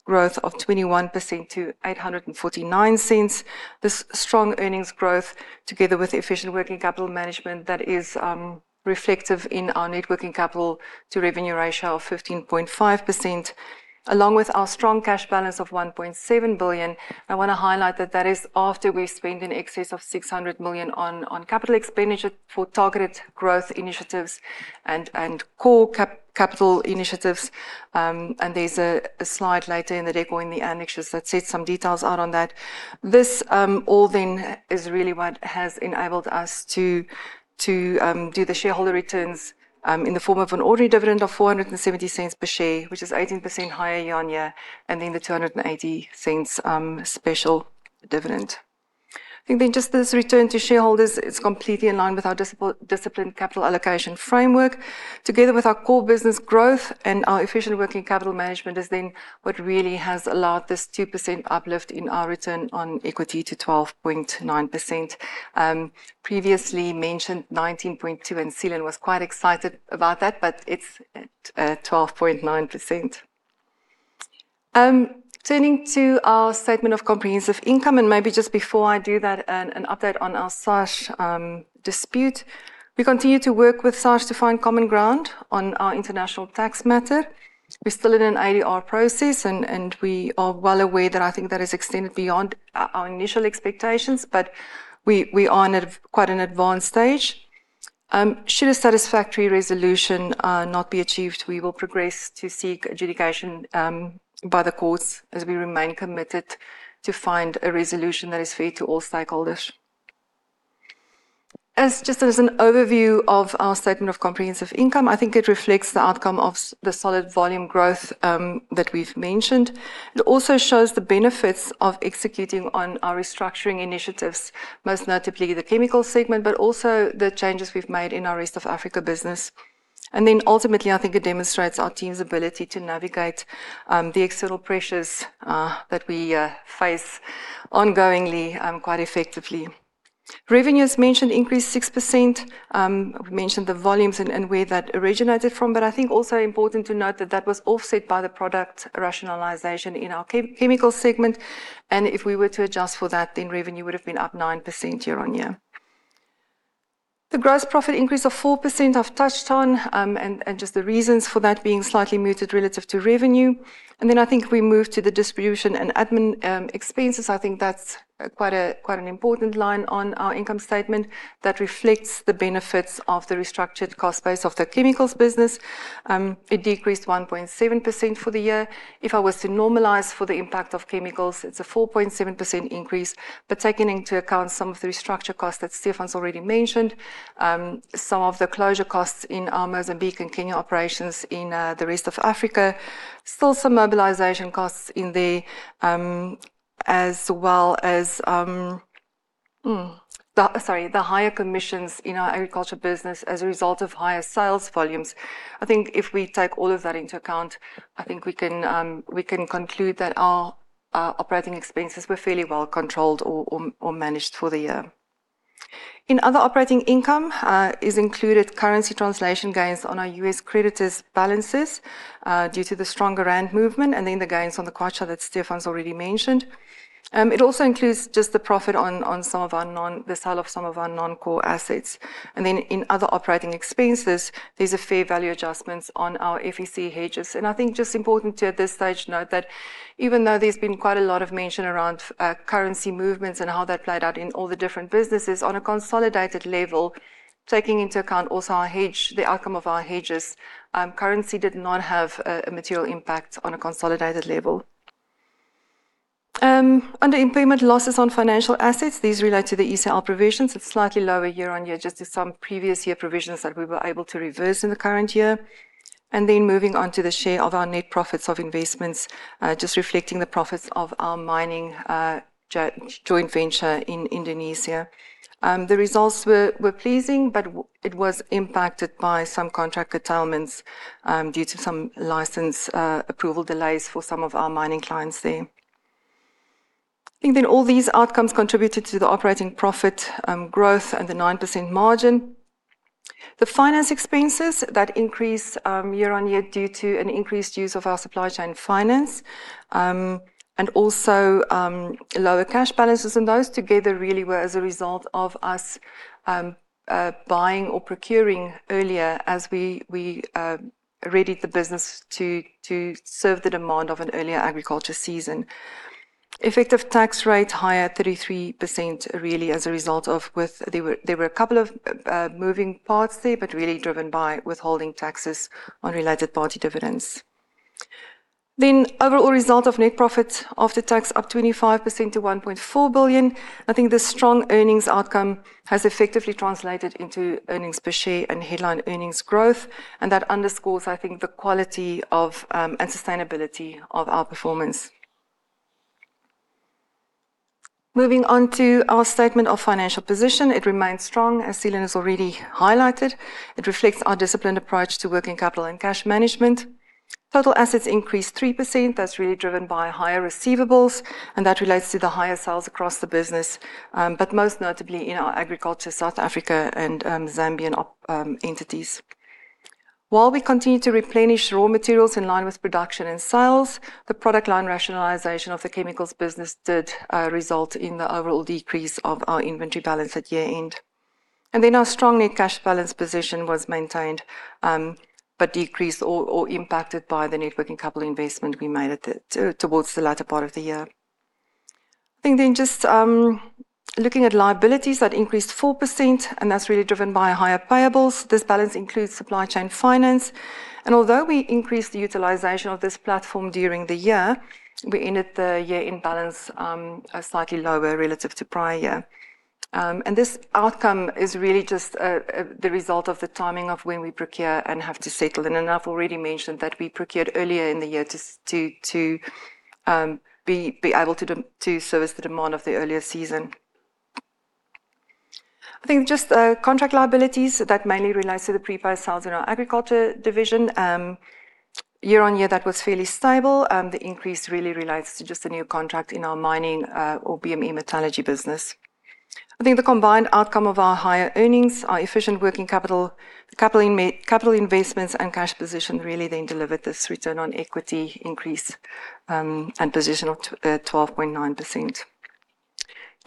growth of 21% to 800.49. This strong earnings growth together with efficient working capital management that is reflective in our net working capital to revenue ratio of 15.5%, along with our strong cash balance of 1.7 billion. I want to highlight that that is after we spent in excess of 600 million on capital expenditure for targeted growth initiatives and core capital initiatives, there's a slide later in the deck or in the annexures that sets some details out on that. This all then is really what has enabled us to do the shareholder returns in the form of an ordinary dividend of 4.70 per share, which is 18% higher year-on-year, the 200.80 special dividend. Just this return to shareholders, it's completely in line with our disciplined capital allocation framework. Together with our core business growth and our efficient working capital management is then what really has allowed this 2% uplift in our return on equity to 12.9%. Previously mentioned 19.2%, and Seelan was quite excited about that, but it's at 12.9%. Turning to our statement of comprehensive income, and maybe just before I do that, an update on our SARS dispute. We continue to work with SARS to find common ground on our international tax matter. We're still in an ADR process, and we are well aware that I think that has extended beyond our initial expectations, but we are now at quite an advanced stage. Should a satisfactory resolution not be achieved, we will progress to seek adjudication by the courts as we remain committed to find a resolution that is fair to all stakeholders. Just as an overview of our statement of comprehensive income, I think it reflects the outcome of the solid volume growth that we've mentioned. It also shows the benefits of executing on our restructuring initiatives, most notably the chemical segment, but also the changes we've made in our rest of Africa business. Ultimately, I think it demonstrates our team's ability to navigate the external pressures that we face ongoingly quite effectively. Revenue, as mentioned, increased 6%. We mentioned the volumes and where that originated from, but I think also important to note that that was offset by the product rationalization in our chemical segment. If we were to adjust for that, then revenue would have been up 9% year-on-year. The gross profit increase of 4% I've touched on, and just the reasons for that being slightly muted relative to revenue. I think we move to the distribution and admin expenses. I think that's quite an important line on our income statement that reflects the benefits of the restructured cost base of the chemicals business. It decreased 1.7% for the year. If I was to normalize for the impact of chemicals, it's a 4.7% increase. But taking into account some of the restructure costs that Stephan's already mentioned, some of the closure costs in our Mozambique and Kenya operations in the rest of Africa. Still some mobilization costs in there, as well as the higher commissions in our agriculture business as a result of higher sales volumes. I think if we take all of that into account, I think we can conclude that our operating expenses were fairly well controlled or managed for the year. In other operating income is included currency translation gains on our U.S. creditors balances due to the stronger rand movement, and the gains on the kwacha that Stephan's already mentioned. It also includes just the profit on the sale of some of our non-core assets. In other operating expenses, these are fair value adjustments on our FEC hedges. I think just important to at this stage note that even though there's been quite a lot of mention around currency movements and how that played out in all the different businesses, on a consolidated level, taking into account also the outcome of our hedges, currency did not have a material impact on a consolidated level. Under impairment losses on financial assets, these relate to the ECL provisions. It's slightly lower year-on-year just to some previous year provisions that we were able to reverse in the current year. Moving on to the share of our net profits of investments, just reflecting the profits of our mining joint venture in Indonesia. The results were pleasing, but it was impacted by some contract curtailments due to some license approval delays for some of our mining clients there. All these outcomes contributed to the operating profit growth and the 9% margin. The finance expenses that increase year-on-year due to an increased use of our supply chain finance, also lower cash balances, and those together really were as a result of us buying or procuring earlier as we readied the business to serve the demand of an earlier agriculture season. Effective tax rate higher, 33%, really as a result of there were a couple of moving parts there but really driven by withholding taxes on related party dividends. Overall result of net profit after tax up 25% to 1.4 billion. The strong earnings outcome has effectively translated into earnings per share and headline earnings growth, that underscores the quality of and sustainability of our performance. Moving on to our statement of financial position. It remains strong, as Seelan has already highlighted. It reflects our disciplined approach to working capital and cash management. Total assets increased 3%. That's really driven by higher receivables, and that relates to the higher sales across the business, but most notably in our agriculture South Africa and Zambian entities. While we continue to replenish raw materials in line with production and sales, the product line rationalization of the chemicals business did result in the overall decrease of our inventory balance at year-end. Our strong net cash balance position was maintained but decreased or impacted by the net working capital investment we made towards the latter part of the year. Looking at liabilities, that increased 4%, that's really driven by higher payables. This balance includes supply chain finance. Although we increased the utilization of this platform during the year, we ended the year-end balance slightly lower relative to prior year. This outcome is really just the result of the timing of when we procure and have to settle. I've already mentioned that we procured earlier in the year to be able to service the demand of the earlier season. Contract liabilities, that mainly relates to the pre-paid sales in our agriculture division. Year-on-year, that was fairly stable. The increase really relates to just a new contract in our mining or BME metallurgy business. The combined outcome of our higher earnings, our efficient working capital investments, and cash position really then delivered this return on equity increase and position of 12.9%.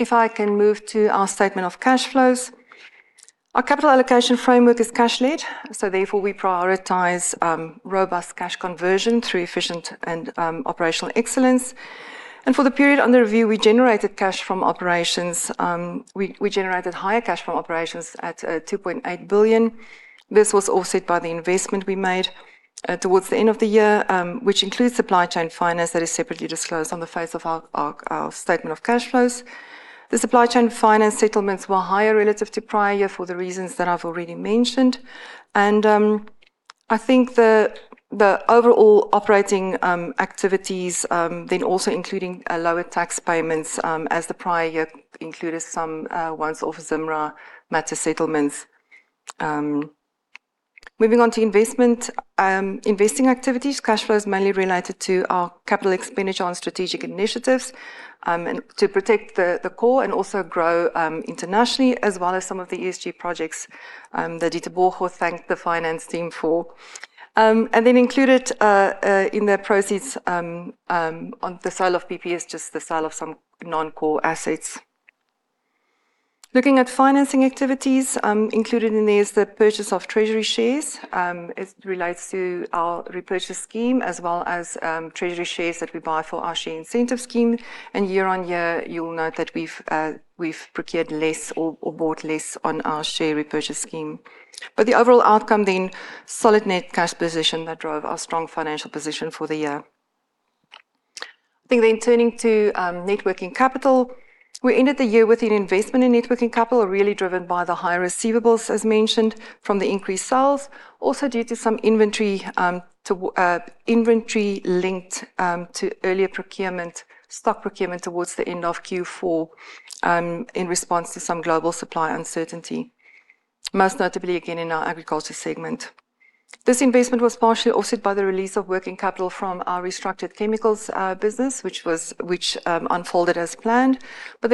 If I can move to our statement of cash flows. Our capital allocation framework is cash led therefore, we prioritize robust cash conversion through efficient and operational excellence. For the period under review, we generated higher cash from operations at 2.8 billion. This was offset by the investment we made towards the end of the year, which includes supply chain finance that is separately disclosed on the face of our statement of cash flows. The supply chain finance settlements were higher relative to prior year for the reasons that I've already mentioned. I think the overall operating activities, also including lower tax payments as the prior year included some once-off ZIMRA matter settlements. Moving on to investing activities. Cash flows mainly related to our capital expenditure on strategic initiatives to protect the core and also grow internationally, as well as some of the ESG projects that Ditebogo thanked the finance team for. Included in their proceeds on the sale of PP is just the sale of some non-core assets. Looking at financing activities, included in there is the purchase of treasury shares. It relates to our repurchase scheme as well as treasury shares that we buy for our share incentive scheme. Year-over-year, you'll note that we've procured less or bought less on our share repurchase scheme. The overall outcome, solid net cash position that drove our strong financial position for the year. Turning to net working capital. We ended the year with an investment in net working capital, really driven by the higher receivables, as mentioned, from the increased sales. Also, due to some inventory linked to earlier procurement, stock procurement towards the end of Q4 in response to some global supply uncertainty, most notably, again, in our agriculture segment. This investment was partially offset by the release of working capital from our restructured chemicals business, which unfolded as planned.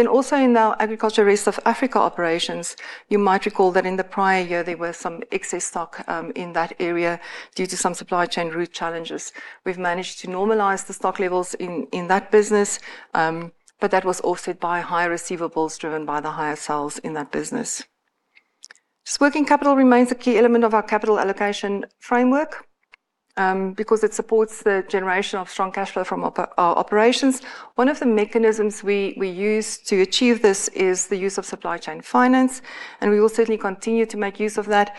Also, in our agriculture rest of Africa operations, you might recall that in the prior year, there was some excess stock in that area due to some supply chain route challenges. We've managed to normalize the stock levels in that business, but that was offset by higher receivables driven by the higher sales in that business. Working capital remains a key element of our capital allocation framework, because it supports the generation of strong cash flow from our operations. One of the mechanisms we use to achieve this is the use of supply chain finance, and we will certainly continue to make use of that.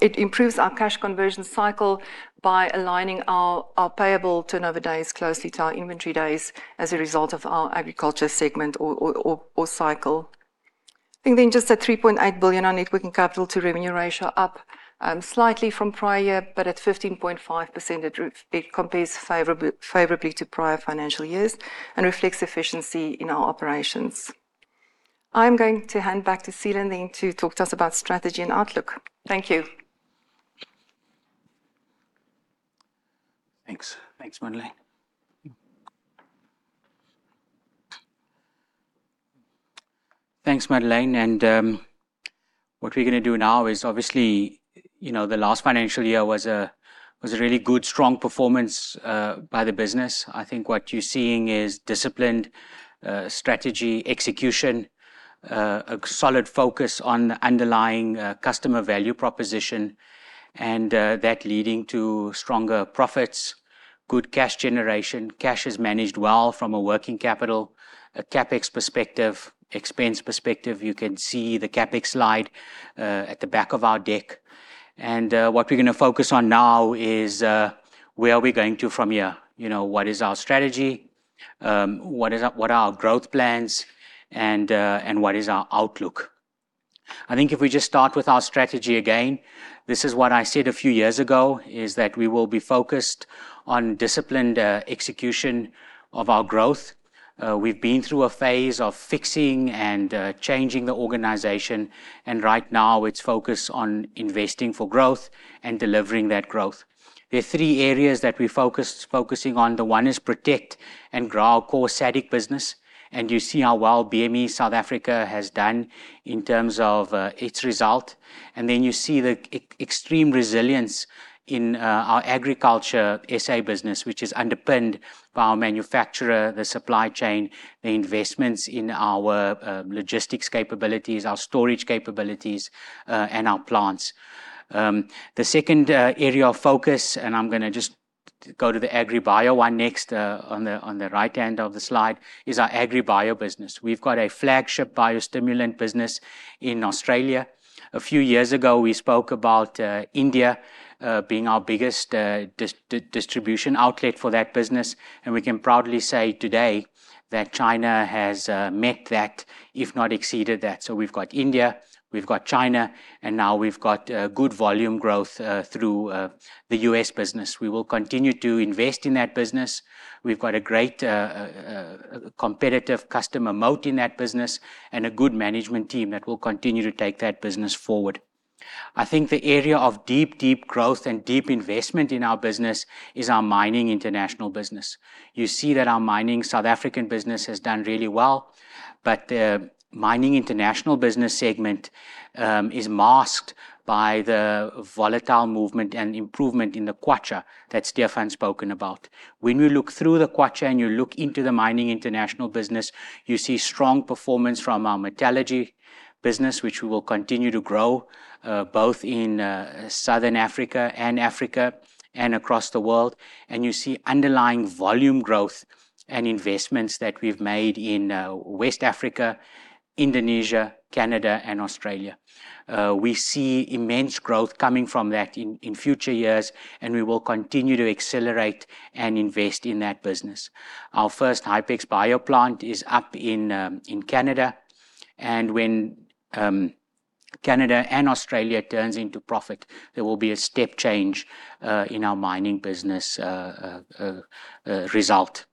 It improves our cash conversion cycle by aligning our payable turnover days closely to our inventory days as a result of our agriculture segment or cycle. Just a 3.8 billion on net working capital to revenue ratio up slightly from prior year, but at 15.5%, it compares favorably to prior financial years and reflects efficiency in our operations. I'm going to hand back to Seelan to talk to us about strategy and outlook. Thank you. Thanks, Madeleine. Thanks, Madeleine. What we're going to do now is, obviously, the last financial year was a really good, strong performance by the business. I think what you're seeing is disciplined strategy execution, a solid focus on underlying customer value proposition, and that leading to stronger profits, good cash generation. Cash is managed well from a working capital, a CapEx perspective, expense perspective. You can see the CapEx slide at the back of our deck. What we're going to focus on now is where are we going to from here? What is our strategy? What are our growth plans? What is our outlook? I think if we just start with our strategy again, this is what I said a few years ago, is that we will be focused on disciplined execution of our growth. We've been through a phase of fixing and changing the organization, and right now it's focused on investing for growth and delivering that growth. There are three areas that we're focusing on. The one is protect and grow our core SADC business. You see how well BME South Africa has done in terms of its result. Then you see the extreme resilience in our agriculture SA business, which is underpinned by our manufacturer, the supply chain, the investments in our logistics capabilities, our storage capabilities, and our plants. The second area of focus, and I'm going to just go to the AgriBio one next on the right-hand of the slide, is our AgriBio business. We've got a flagship biostimulant business in Australia. A few years ago, we spoke about India being our biggest distribution outlet for that business, and we can proudly say today that China has met that, if not exceeded that. We've got India, we've got China, and now we've got good volume growth through the U.S. business. We will continue to invest in that business. We've got a great competitive customer moat in that business and a good management team that will continue to take that business forward. I think the area of deep growth and deep investment in our business is our mining international business. You see that our mining South African business has done really well, but the mining international business segment is masked by the volatile movement and improvement in the kwacha that Stephan spoken about. When we look through the kwacha and you look into the mining international business, you see strong performance from our metallurgy business, which we will continue to grow both in Southern Africa and Africa and across the world, and you see underlying volume growth and investments that we've made in West Africa, Indonesia, Canada, and Australia. We see immense growth coming from that in future years, and we will continue to accelerate and invest in that business. Our first Hypex Bio plant is up in Canada. When Canada and Australia turns into profit, there will be a step change in our mining business result.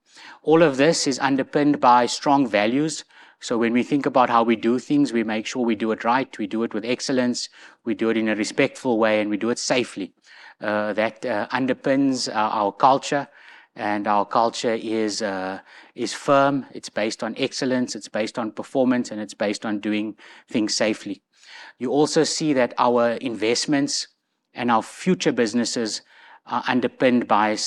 All of this is underpinned by strong values. When we think about how we do things, we make sure we do it right, we do it with excellence, we do it in a respectful way, and we do it safely. That underpins our culture, and our culture is firm. It's based on excellence, it's based on performance, and it's based on doing things safely. You also see that our investments and our future businesses are underpinned by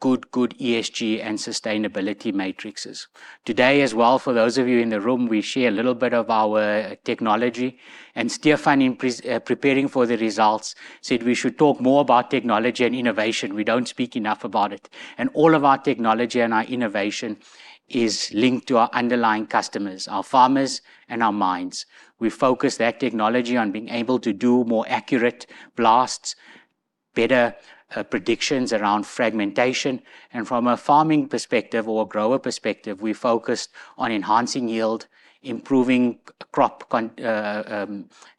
good ESG and sustainability matrixes. Today as well, for those of you in the room, we share a little bit of our technology, and Stephan is preparing for the results, said we should talk more about technology and innovation. We don't speak enough about it. All of our technology and our innovation is linked to our underlying customers, our farmers, and our mines. We focus that technology on being able to do more accurate blasts, better predictions around fragmentation, and from a farming perspective or a grower perspective, we focus on enhancing yield, improving crop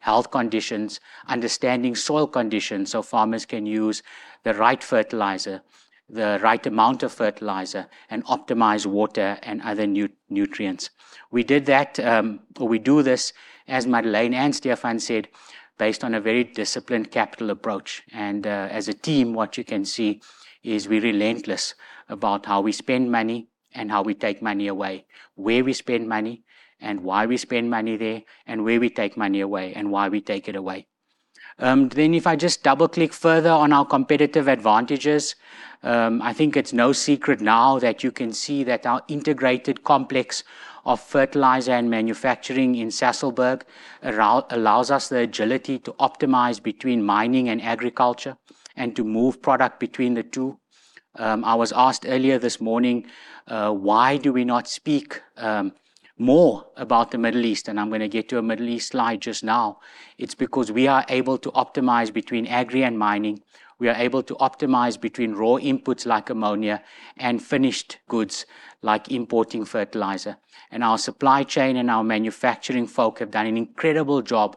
health conditions, understanding soil conditions so farmers can use the right fertilizer, the right amount of fertilizer, and optimize water and other nutrients. We do this, as Madeleine and Stephan said, based on a very disciplined capital approach. As a team, what you can see is we're relentless about how we spend money and how we take money away, where we spend money and why we spend money there, and where we take money away and why we take it away. If I just double-click further on our competitive advantages, I think it's no secret now that you can see that our integrated complex of fertilizer and manufacturing in Sasolburg allows us the agility to optimize between mining and agriculture and to move product between the two. I was asked earlier this morning, why do we not speak more about the Middle East? I'm going to get to a Middle East slide just now. It's because we are able to optimize between agri and mining, we are able to optimize between raw inputs like ammonia and finished goods like importing fertilizer. Our supply chain and our manufacturing folk have done an incredible job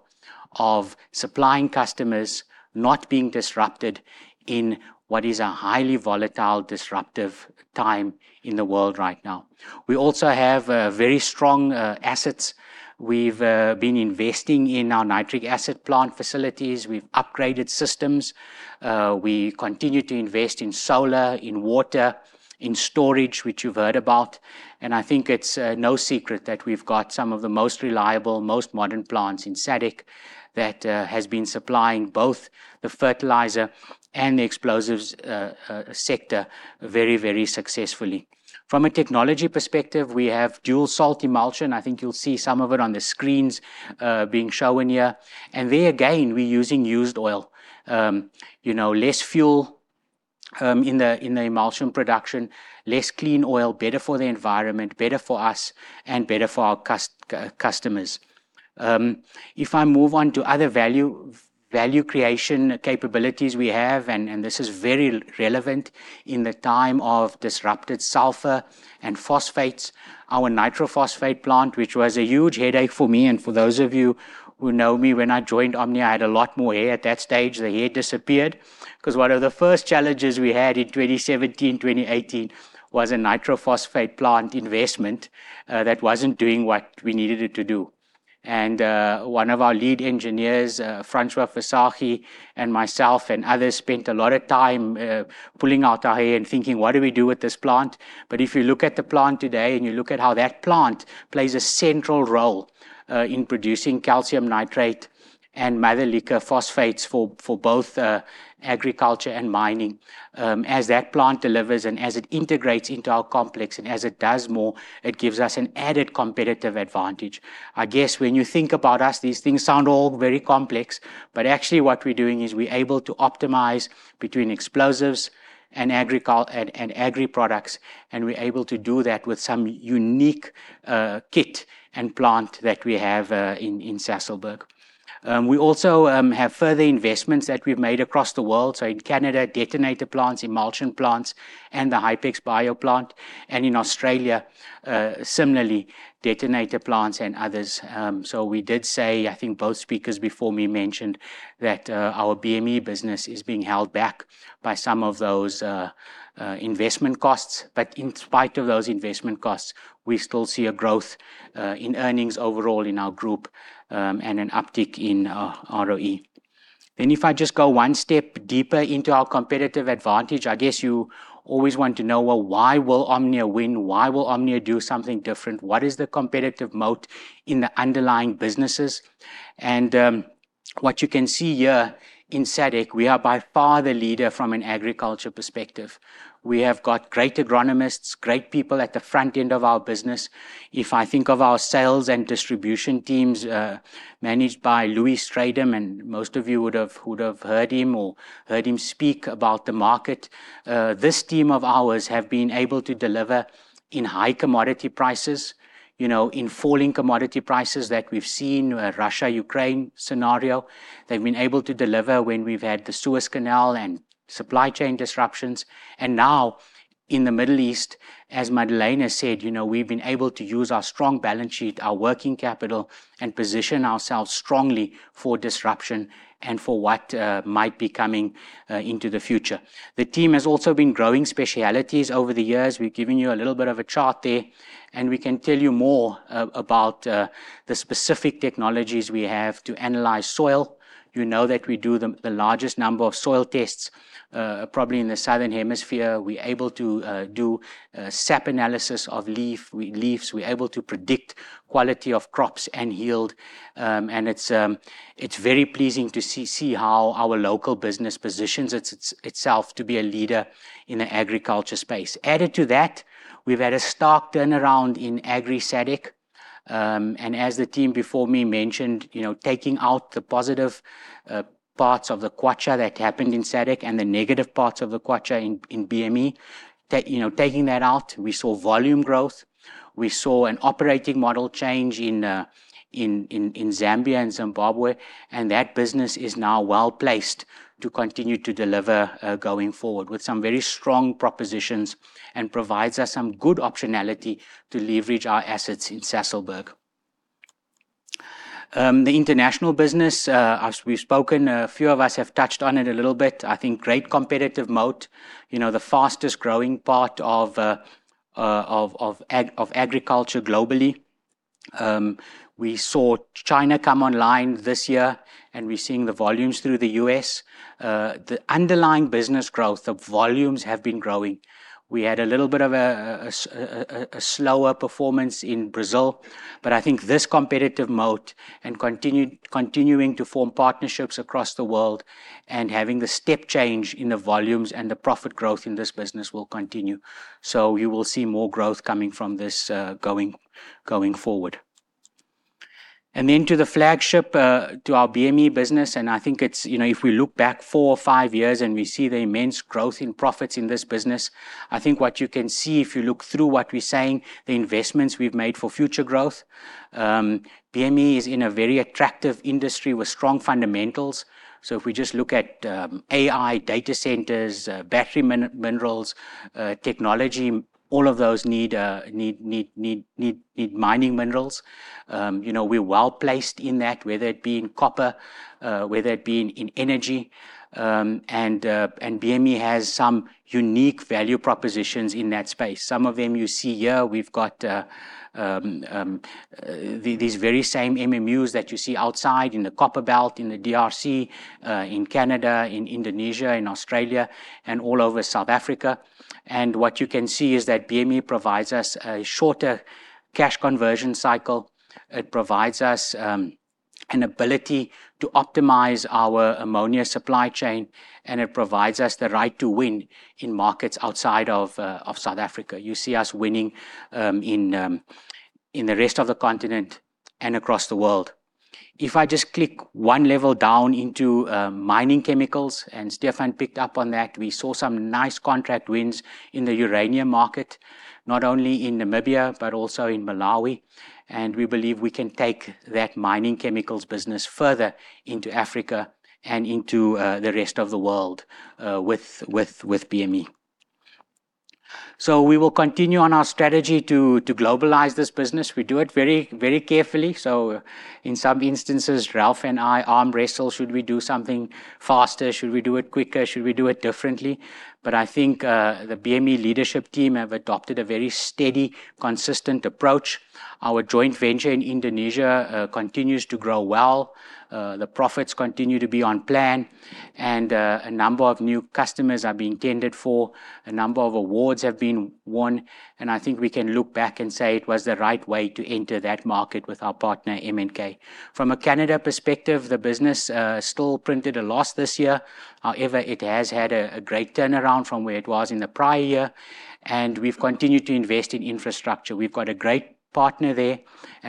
of supplying customers, not being disrupted in what is a highly volatile, disruptive time in the world right now. We also have very strong assets. We've been investing in our nitric acid plant facilities. We've upgraded systems. We continue to invest in solar, in water, in storage, which you've heard about. I think it's no secret that we've got some of the most reliable, most modern plants in SADC that has been supplying both the fertilizer and the explosives sector very, very successfully. From a technology perspective, we have dual salt emulsion. I think you'll see some of it on the screens being shown here. There again, we're using used oil. Less fuel in the emulsion production, less clean oil, better for the environment, better for us and better for our customers. If I move on to other value creation capabilities we have, and this is very relevant in the time of disrupted sulfur and phosphates, our nitrophosphate plant, which was a huge headache for me and for those of you who know me, when I joined Omnia, I had a lot more hair at that stage. The hair disappeared because one of the first challenges we had in 2017, 2018 was a nitrophosphate plant investment that wasn't doing what we needed it to do. One of our lead engineers, Francois Visagie, and myself and others spent a lot of time pulling out our hair and thinking, what do we do with this plant? But if you look at the plant today and you look at how that plant plays a central role in producing calcium nitrate and mother liquor phosphates for both agriculture and mining. As that plant delivers and as it integrates into our complex and as it does more, it gives us an added competitive advantage. I guess when you think about us, these things sound all very complex, but actually what we're doing is we're able to optimize between explosives and agri products, and we're able to do that with some unique kit and plant that we have in Sasolburg. We also have further investments that we've made across the world. So in Canada, detonator plants, emulsion plants, and the Hypex Bio plant. And in Australia, similarly, detonator plants and others. We did say, I think both speakers before me mentioned that our BME business is being held back by some of those investment costs. In spite of those investment costs, we still see a growth in earnings overall in our group and an uptick in ROE. If I just go one step deeper into our competitive advantage, I guess you always want to know, well, why will Omnia win? Why will Omnia do something different? What is the competitive moat in the underlying businesses? What you can see here in SADC, we are by far the leader from an agriculture perspective. We have got great agronomists, great people at the front end of our business. If I think of our sales and distribution teams managed by Louis Strydom, most of you would have heard him or heard him speak about the market. This team of ours have been able to deliver in high commodity prices, in falling commodity prices that we've seen, Russia-Ukraine scenario. They've been able to deliver when we've had the Suez Canal and supply chain disruptions. Now in the Middle East, as Madeleine has said, we've been able to use our strong balance sheet, our working capital, and position ourselves strongly for disruption and for what might be coming into the future. The team has also been growing specialties over the years. We've given you a little bit of a chart there, and we can tell you more about the specific technologies we have to analyze soil. You know that we do the largest number of soil tests, probably in the southern hemisphere. We're able to do sap analysis of leaves. We're able to predict quality of crops and yield. It's very pleasing to see how our local business positions itself to be a leader in the agriculture space. Added to that, we've had a stark turnaround in Agri SADC. As the team before me mentioned, taking out the positive parts of the kwacha that happened in SADC and the negative parts of the kwacha in BME, taking that out, we saw volume growth. We saw an operating model change in Zambia and Zimbabwe, and that business is now well-placed to continue to deliver going forward with some very strong propositions and provides us some good optionality to leverage our assets in Sasolburg. The international business, as we've spoken, a few of us have touched on it a little bit. I think great competitive moat, the fastest growing part of agriculture globally. We saw China come online this year, and we're seeing the volumes through the U.S. The underlying business growth, the volumes have been growing. We had a little bit of a slower performance in Brazil, I think this competitive moat and continuing to form partnerships across the world and having the step change in the volumes and the profit growth in this business will continue. You will see more growth coming from this going forward. Then to the flagship, to our BME business, I think if we look back four or five years and we see the immense growth in profits in this business, I think what you can see if you look through what we're saying, the investments we've made for future growth. BME is in a very attractive industry with strong fundamentals. If we just look at AI data centers, battery minerals, technology, all of those need mining minerals. We're well-placed in that, whether it be in copper, whether it be in energy, BME has some unique value propositions in that space. Some of them you see here. We've got these very same MMUs that you see outside in the Copperbelt, in the DRC, in Canada, in Indonesia, in Australia, and all over South Africa. What you can see is that BME provides us a shorter cash conversion cycle. It provides us an ability to optimize our ammonia supply chain, it provides us the right to win in markets outside of South Africa. You see us winning in the rest of the continent and across the world. I just click one level down into mining chemicals, Stephan picked up on that, we saw some nice contract wins in the uranium market, not only in Namibia, but also in Malawi. We believe we can take that mining chemicals business further into Africa and into the rest of the world with BME. We will continue on our strategy to globalize this business. We do it very carefully. In some instances, Ralf and I arm wrestle. Should we do something faster? Should we do it quicker? Should we do it differently? I think the BME leadership team have adopted a very steady, consistent approach. Our joint venture in Indonesia continues to grow well. The profits continue to be on plan, a number of new customers are being tended for. A number of awards have been won, I think we can look back and say it was the right way to enter that market with our partner, MNK. From a Canada perspective, the business still printed a loss this year. It has had a great turnaround from where it was in the prior year, we've continued to invest in infrastructure. We've got a great partner there,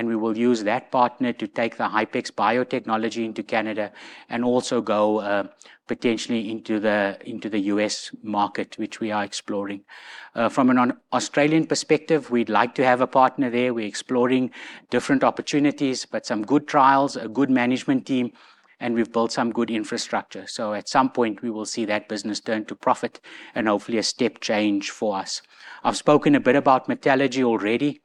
we will use that partner to take the Hypex biotechnology into Canada and also go potentially into the U.S. market, which we are exploring. From an Australian perspective, we'd like to have a partner there. We're exploring different opportunities, some good trials, a good management team, and we've built some good infrastructure. At some point, we will see that business turn to profit and hopefully a step change for us. I've spoken a bit about metallurgy already.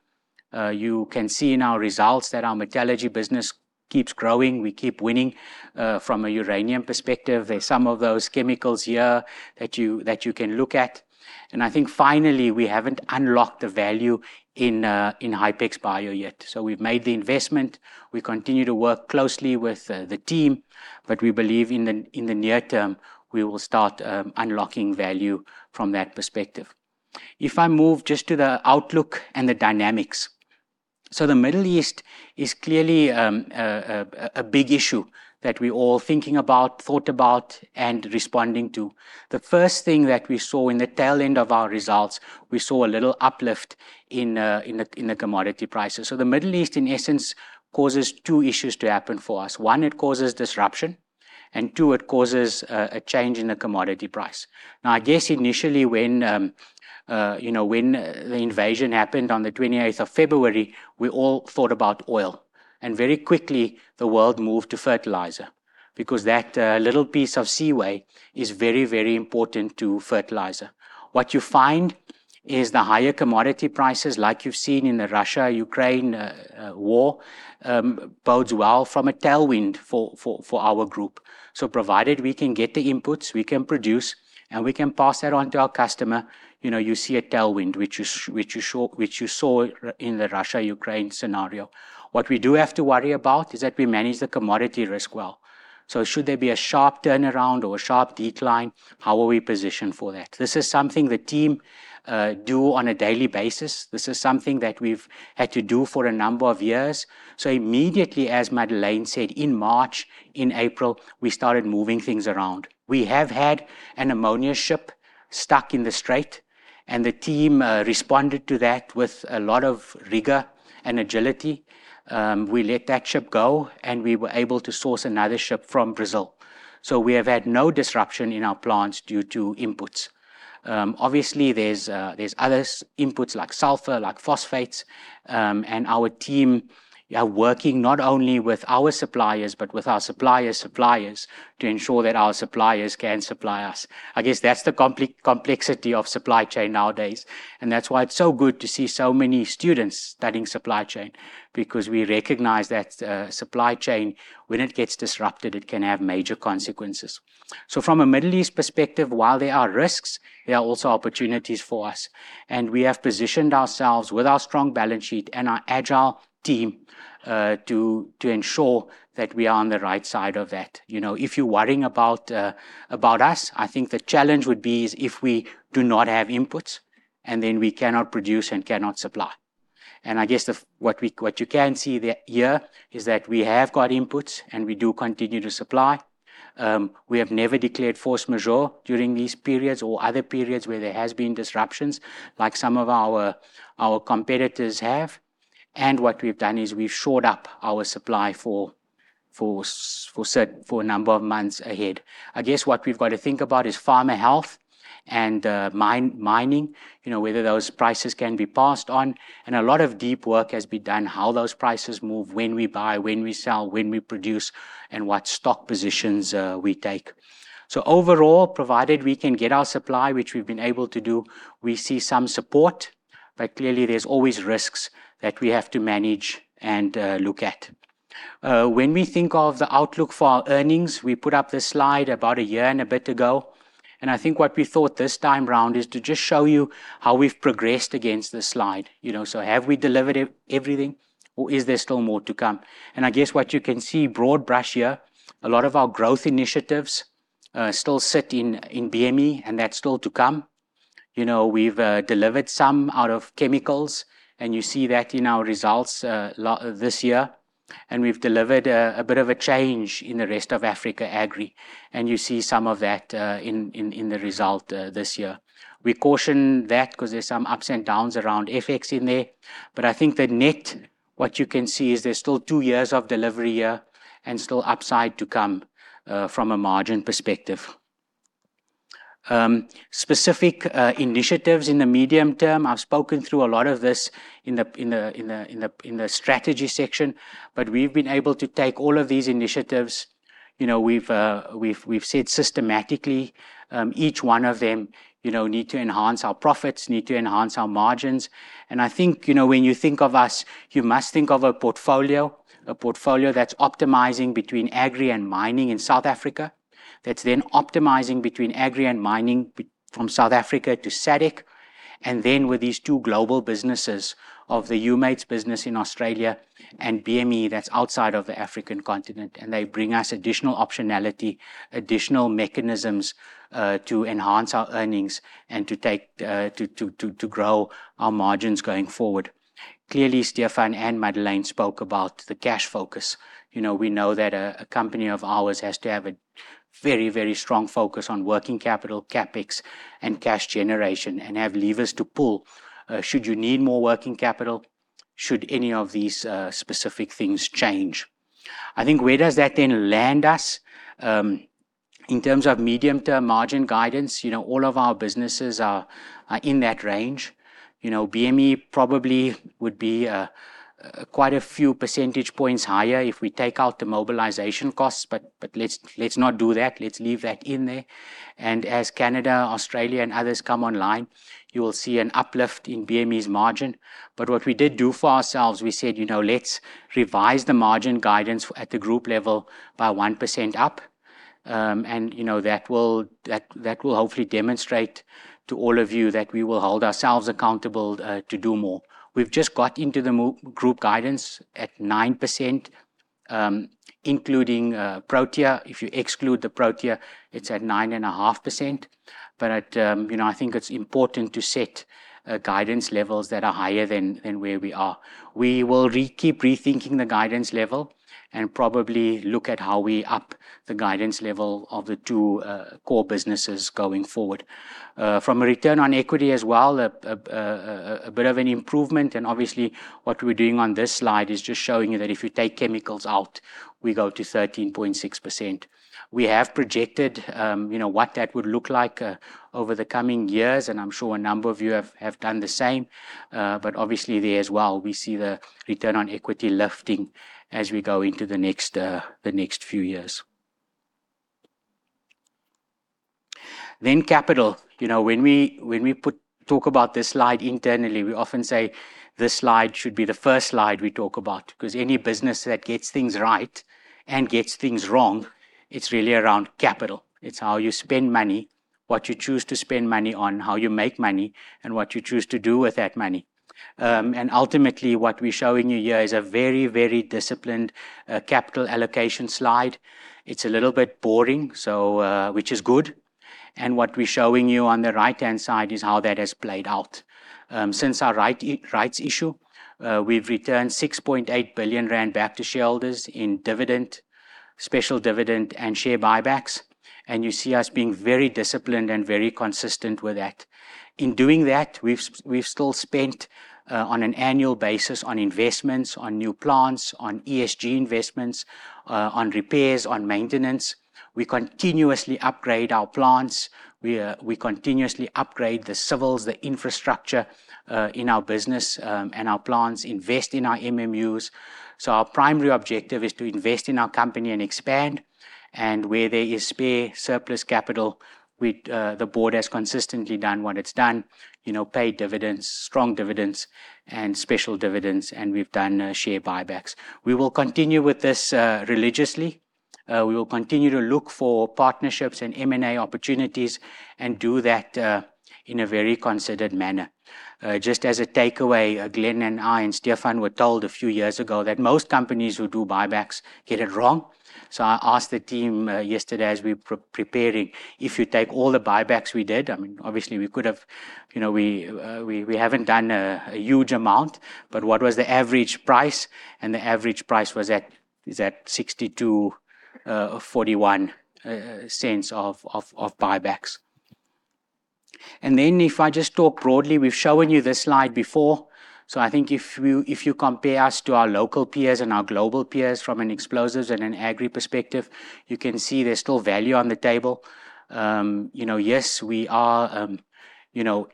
You can see in our results that our metallurgy business keeps growing. We keep winning from a uranium perspective. There's some of those chemicals here that you can look at. I think finally, we haven't unlocked the value in Hypex Bio yet. We've made the investment. We continue to work closely with the team, we believe in the near term, we will start unlocking value from that perspective. If I move just to the outlook and the dynamics. The Middle East is clearly a big issue that we're all thinking about, thought about, and responding to. The first thing that we saw in the tail end of our results, we saw a little uplift in the commodity prices. The Middle East, in essence, causes two issues to happen for us. One, it causes disruption, and two, it causes a change in the commodity price. I guess initially when the invasion happened on the 28th of February, we all thought about oil, very quickly, the world moved to fertilizer because that little piece of seaway is very, very important to fertilizer. What you find is the higher commodity prices, like you've seen in the Russia-Ukraine war, bodes well from a tailwind for our group. Provided we can get the inputs, we can produce, and we can pass that on to our customer. You see a tailwind, which you saw in the Russia-Ukraine scenario. What we do have to worry about is that we manage the commodity risk well. Should there be a sharp turnaround or a sharp decline, how are we positioned for that? This is something the team do on a daily basis. This is something that we've had to do for a number of years. Immediately, as Madeleine said, in March, in April, we started moving things around. We have had an ammonia ship stuck in the strait, the team responded to that with a lot of rigor and agility. We let that ship go, we were able to source another ship from Brazil. We have had no disruption in our plants due to inputs. Obviously, there's other inputs like sulfur, like phosphates, our team are working not only with our suppliers but with our suppliers' suppliers to ensure that our suppliers can supply us. I guess that's the complexity of supply chain nowadays, that's why it's so good to see so many students studying supply chain because we recognize that supply chain, when it gets disrupted, it can have major consequences. From a Middle East perspective, while there are risks, there are also opportunities for us, and we have positioned ourselves with our strong balance sheet and our agile team to ensure that we are on the right side of that. If you're worrying about us, I think the challenge would be is if we do not have inputs, then we cannot produce and cannot supply. I guess what you can see here is that we have got inputs, and we do continue to supply. We have never declared force majeure during these periods or other periods where there has been disruptions, like some of our competitors have. What we've done is we've shored up our supply for a number of months ahead. I guess what we've got to think about is farmer health and mining, whether those prices can be passed on. A lot of deep work has been done, how those prices move, when we buy, when we sell, when we produce, and what stock positions we take. Overall, provided we can get our supply, which we've been able to do, we see some support, but clearly there's always risks that we have to manage and look at. When we think of the outlook for our earnings, we put up this slide about a year and a bit ago. I think what we thought this time around is to just show you how we've progressed against this slide. Have we delivered everything, or is there still more to come? I guess what you can see broad brush here, a lot of our growth initiatives still sit in BME, and that's still to come. We've delivered some out of chemicals, you see that in our results this year, and we've delivered a bit of a change in the rest of Africa Agri, you see some of that in the result this year. We caution that because there's some ups and downs around FX in there. I think that net, what you can see is there's still two years of delivery here and still upside to come from a margin perspective. Specific initiatives in the medium term. I've spoken through a lot of this in the strategy section, but we've been able to take all of these initiatives. We've said systematically, each one of them need to enhance our profits, need to enhance our margins. When you think of us, you must think of a portfolio, a portfolio that's optimizing between Agri and mining in South Africa, that's then optimizing between Agri and mining from South Africa to SADC, and then with these two global businesses of the Humates business in Australia and BME that's outside of the African continent, they bring us additional optionality, additional mechanisms to enhance our earnings and to grow our margins going forward. Clearly, Stephan and Madeleine spoke about the cash focus. We know that a company of ours has to have a very strong focus on working capital, CapEx, and cash generation, and have levers to pull should you need more working capital, should any of these specific things change. Where does that then land us? In terms of medium-term margin guidance, all of our businesses are in that range. BME probably would be quite a few percentage points higher if we take out the mobilization costs. Let's not do that. Let's leave that in there. As Canada, Australia, and others come online, you will see an uplift in BME's margin. What we did do for ourselves, we said, let's revise the margin guidance at the group level by 1% up. That will hopefully demonstrate to all of you that we will hold ourselves accountable to do more. We've just got into the group guidance at 9%, including Protea. If you exclude the Protea, it's at 9.5%. I think it's important to set guidance levels that are higher than where we are. We will keep rethinking the guidance level and probably look at how we up the guidance level of the two core businesses going forward. From a return on equity as well, a bit of an improvement. Obviously, what we're doing on this slide is just showing you that if you take chemicals out, we go to 13.6%. We have projected what that would look like over the coming years, and I'm sure a number of you have done the same. Obviously there as well, we see the return on equity lifting as we go into the next few years. Link capital. When we talk about this slide internally, we often say this slide should be the first slide we talk about because any business that gets things right and gets things wrong, it's really around capital. It's how you spend money, what you choose to spend money on, how you make money, and what you choose to do with that money. Ultimately, what we're showing you here is a very disciplined capital allocation slide. It's a little bit boring, which is good. What we're showing you on the right-hand side is how that has played out. Since our rights issue, we've returned 6.8 billion rand back to shareholders in dividend, special dividend, and share buybacks. You see us being very disciplined and very consistent with that. In doing that, we've still spent on an annual basis on investments, on new plants, on ESG investments, on repairs, on maintenance. We continuously upgrade our plants. We continuously upgrade the civils, the infrastructure in our business and our plants, invest in our MMUs. Our primary objective is to invest in our company and expand. Where there is spare surplus capital the board has consistently done what it's done, pay dividends, strong dividends and special dividends. We've done share buybacks. We will continue with this religiously. We will continue to look for partnerships and M&A opportunities and do that in a very considered manner. Just as a takeaway, Glen and I and Stephan were told a few years ago that most companies who do buybacks get it wrong. I asked the team yesterday as we were preparing, if you take all the buybacks we did, obviously we haven't done a huge amount, but what was the average price? The average price was at 0.6241 of buybacks. If I just talk broadly, we've shown you this slide before. I think if you compare us to our local peers and our global peers from an explosives and an Agri perspective, you can see there's still value on the table. Yes, we are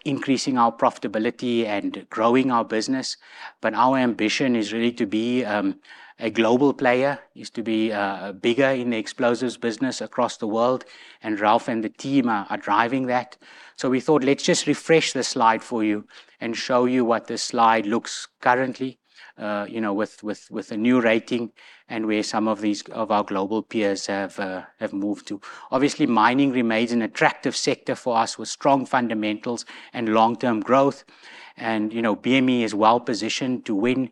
increasing our profitability and growing our business, but our ambition is really to be a global player, is to be bigger in the explosives business across the world, and Ralf and the team are driving that. We thought, let's just refresh this slide for you and show you what this slide looks currently with the new rating and where some of our global peers have moved to. Obviously, mining remains an attractive sector for us, with strong fundamentals and long-term growth. BME is well-positioned to win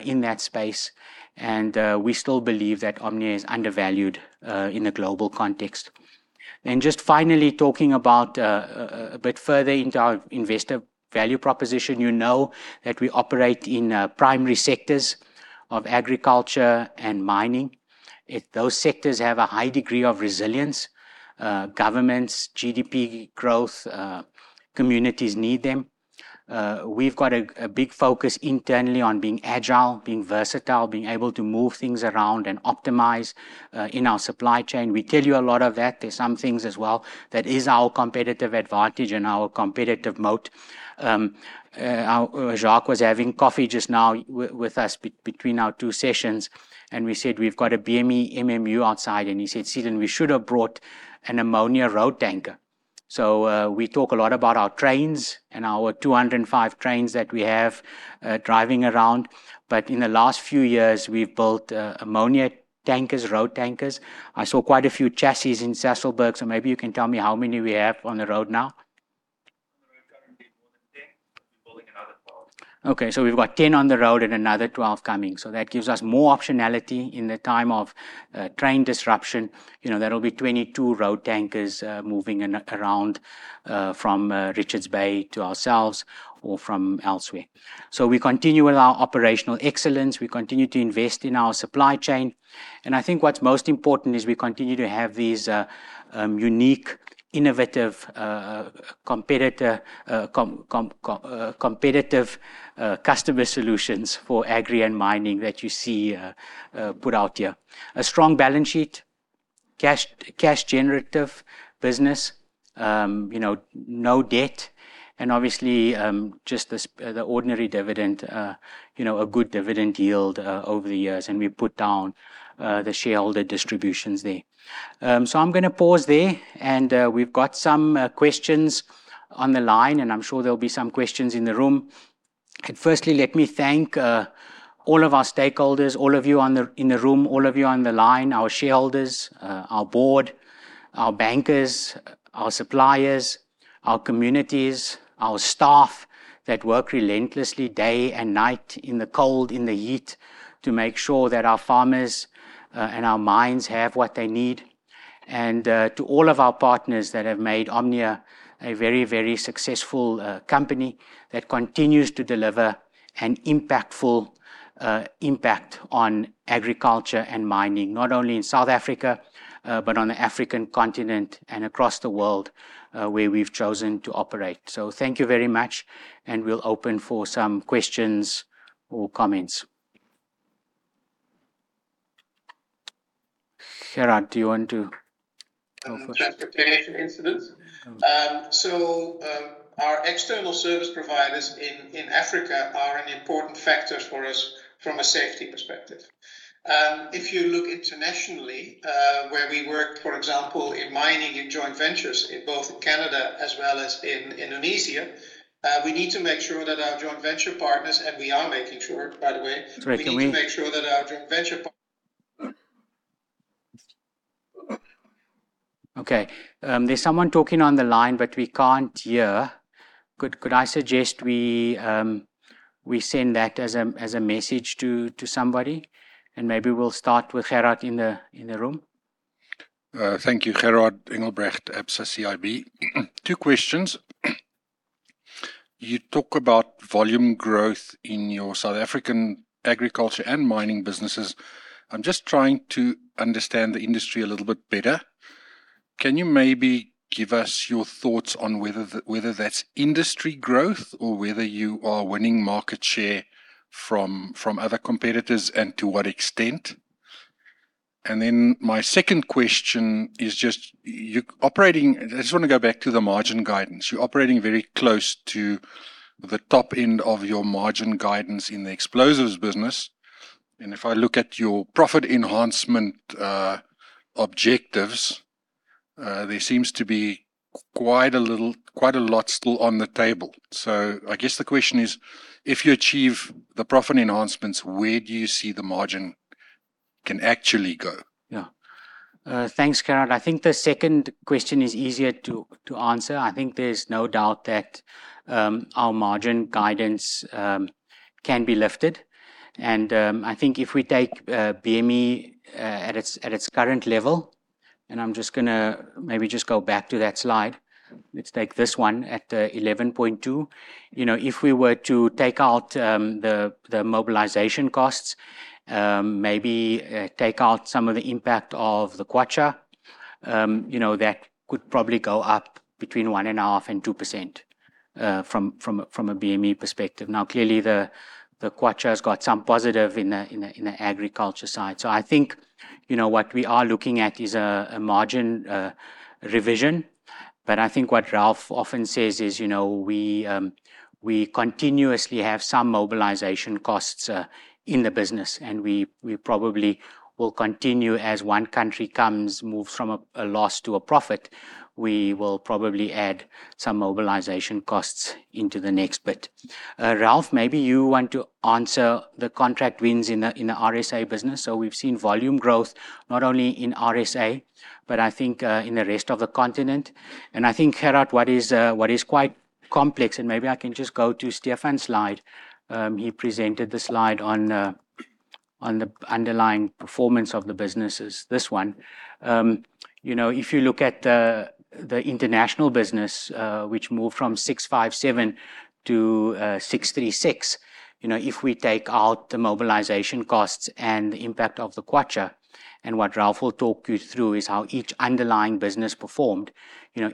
in that space. We still believe that Omnia is undervalued in the global context. Just finally talking about a bit further into our investor value proposition, you know that we operate in primary sectors of agriculture and mining. Those sectors have a high degree of resilience. Governments, GDP growth, communities need them. We've got a big focus internally on being agile, being versatile, being able to move things around and optimize in our supply chain. We tell you a lot of that. There's some things as well that is our competitive advantage and our competitive moat. Jacques was having coffee just now with us between our two sessions, and we said we've got a BME MMU outside, and he said, "Stephan, we should have brought an ammonia road tanker." We talk a lot about our trains and our 205 trains that we have driving around, but in the last few years, we've built ammonia tankers, road tankers. I saw quite a few Jacques in Sasolburg, maybe you can tell me how many we have on the road now. On the road currently, more than 10. We'll be building another 12. Okay, we've got 10 on the road and another 12 coming. That gives us more optionality in the time of train disruption. There'll be 22 road tankers moving around from Richards Bay to ourselves or from elsewhere. We continue with our operational excellence. We continue to invest in our supply chain. I think what's most important is we continue to have these unique, innovative, competitive customer solutions for agri and mining that you see put out here. A strong balance sheet, cash generative business, no debt, and obviously just the ordinary dividend, a good dividend yield over the years. We put down the shareholder distributions there. I'm going to pause there, and we've got some questions on the line, and I'm sure there'll be some questions in the room. Firstly, let me thank all of our stakeholders, all of you in the room, all of you on the line, our shareholders, our board, our bankers, our suppliers, our communities, our staff that work relentlessly day and night in the cold, in the heat to make sure that our farmers and our mines have what they need. To all of our partners that have made Omnia a very successful company that continues to deliver an impactful impact on agriculture and mining, not only in South Africa, but on the African continent and across the world where we've chosen to operate. Thank you very much, and we'll open for some questions or comments. Gerhard, do you want to go first? Transportation incidents. Our external service providers in Africa are an important factor for us from a safety perspective. If you look internationally where we work, for example, in mining, in joint ventures in both Canada as well as in Indonesia, we need to make sure that our joint venture partners, and we are making sure, by the way. Sorry, can we. We need to make sure that our joint venture. Okay. There is someone talking on the line, but we cannot hear. Could I suggest we send that as a message to somebody, and maybe we will start with Gerhard in the room. Thank you. Gerhard Engelbrecht, Absa CIB. Two questions. You talk about volume growth in your South African agriculture and mining businesses. I am just trying to understand the industry a little bit better. Can you maybe give us your thoughts on whether that is industry growth or whether you are winning market share from other competitors, and to what extent? My second question is just, I just want to go back to the margin guidance. You are operating very close to the top end of your margin guidance in the explosives business, and if I look at your profit enhancement objectives, there seems to be quite a lot still on the table. I guess the question is, if you achieve the profit enhancements, where do you see the margin can actually go? Yeah. Thanks, Gerhard. I think the second question is easier to answer. I think there is no doubt that our margin guidance can be lifted. I think if we take BME at its current level, I am just going to maybe just go back to that slide. Let us take this one at 11.2. If we were to take out the mobilization costs, maybe take out some of the impact of the kwacha. That could probably go up between 1.5% and 2% from a BME perspective. Clearly, the kwacha has got some positive in the agriculture side. I think, what we are looking at is a margin revision. I think what Ralf often says is we continuously have some mobilization costs in the business, and we probably will continue as one country moves from a loss to a profit. We will probably add some mobilization costs into the next bit. Ralf, maybe you want to answer the contract wins in the RSA business. We've seen volume growth not only in RSA, but I think in the rest of the continent. I think Gerhard, what is quite complex, and maybe I can just go to Stephan's slide. He presented the slide on the underlying performance of the businesses. This one. If you look at the international business, which moved from 657 to 636. If we take out the mobilization costs and the impact of the kwacha, and what Ralf will talk you through is how each underlying business performed.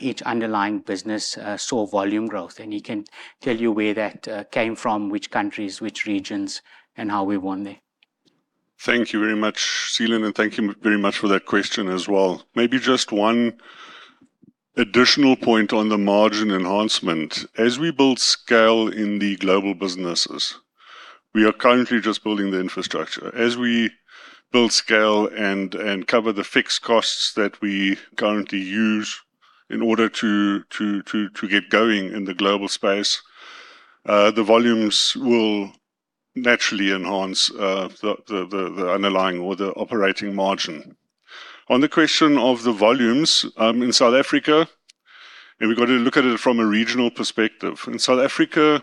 Each underlying business saw volume growth, and he can tell you where that came from, which countries, which regions, and how we won there. Thank you very much, Seelan, and thank you very much for that question as well. Maybe just one additional point on the margin enhancement. As we build scale in the global businesses, we are currently just building the infrastructure. As we build scale and cover the fixed costs that we currently use in order to get going in the global space, the volumes will naturally enhance the underlying or the operating margin. On the question of the volumes, in South Africa, we've got to look at it from a regional perspective. In South Africa,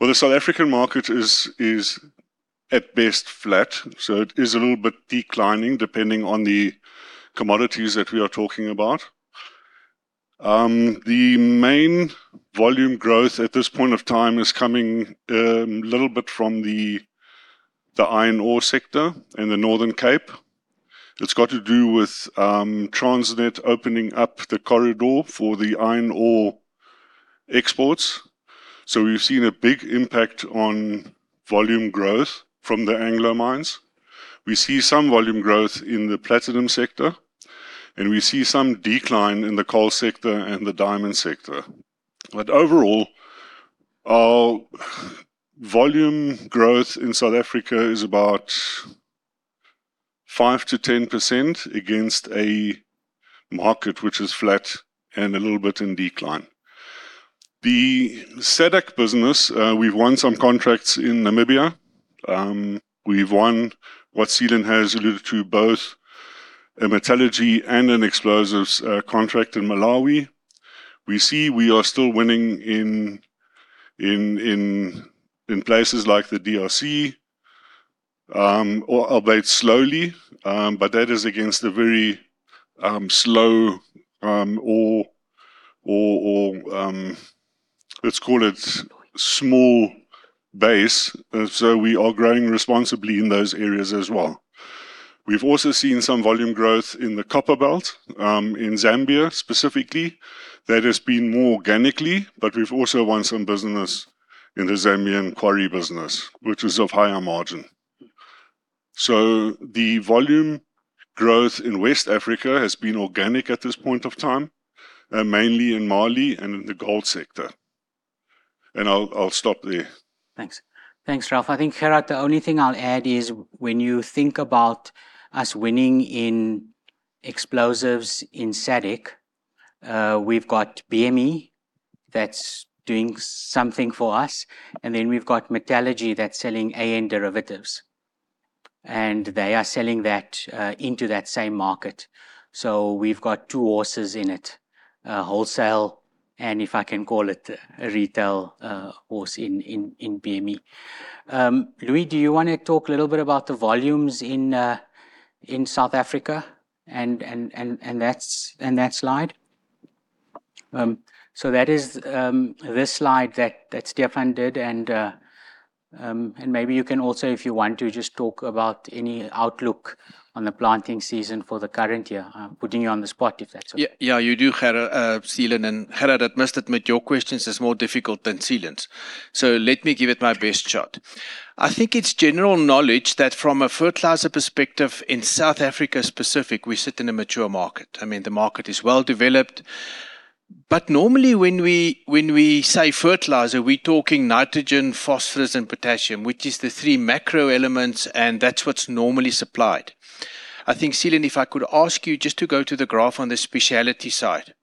well, the South African market is at best flat, so it is a little bit declining depending on the commodities that we are talking about. The main volume growth at this point of time is coming a little bit from the iron ore sector in the Northern Cape. It's got to do with Transnet opening up the corridor for the iron ore exports. We've seen a big impact on volume growth from the Anglo mines. We see some volume growth in the platinum sector, and we see some decline in the coal sector and the diamond sector. Overall, our volume growth in South Africa is about 5%-10% against a market which is flat and a little bit in decline. The SADC business, we've won some contracts in Namibia. We've won what Seelan has alluded to, both a metallurgy and an explosives contract in Malawi. We see we are still winning in places like the DRC, albeit slowly, but that is against a very slow or, let's call it small base. We are growing responsibly in those areas as well. We've also seen some volume growth in the Copperbelt, in Zambia specifically. That has been more organically, but we've also won some business in the Zambian quarry business, which was of higher margin. The volume growth in West Africa has been organic at this point of time, mainly in Mali and in the gold sector. I'll stop there. Thanks. Thanks, Ralf. I think, Gerhard, the only thing I'll add is when you think about us winning in explosives in SADC, we've got BME that's doing something for us, and then we've got metallurgy that's selling AN derivatives, and they are selling that into that same market. We've got two horses in it, wholesale and, if I can call it, a retail horse in BME. Louis, do you want to talk a little bit about the volumes in South Africa and that slide? That is this slide that Stephan did and maybe you can also, if you want to, just talk about any outlook on the planting season for the current year. I'm putting you on the spot, if that's okay. You do, Seelan, Gerhard, I must admit, your questions is more difficult than Seelan's. Let me give it my best shot. I think it's general knowledge that from a fertilizer perspective in South Africa specific, we sit in a mature market. I mean, the market is well developed. Normally when we say fertilizer, we're talking nitrogen, phosphorus, and potassium, which is the three macro elements, and that's what's normally supplied. I think, Seelan, if I could ask you just to go to the graph on the specialty side.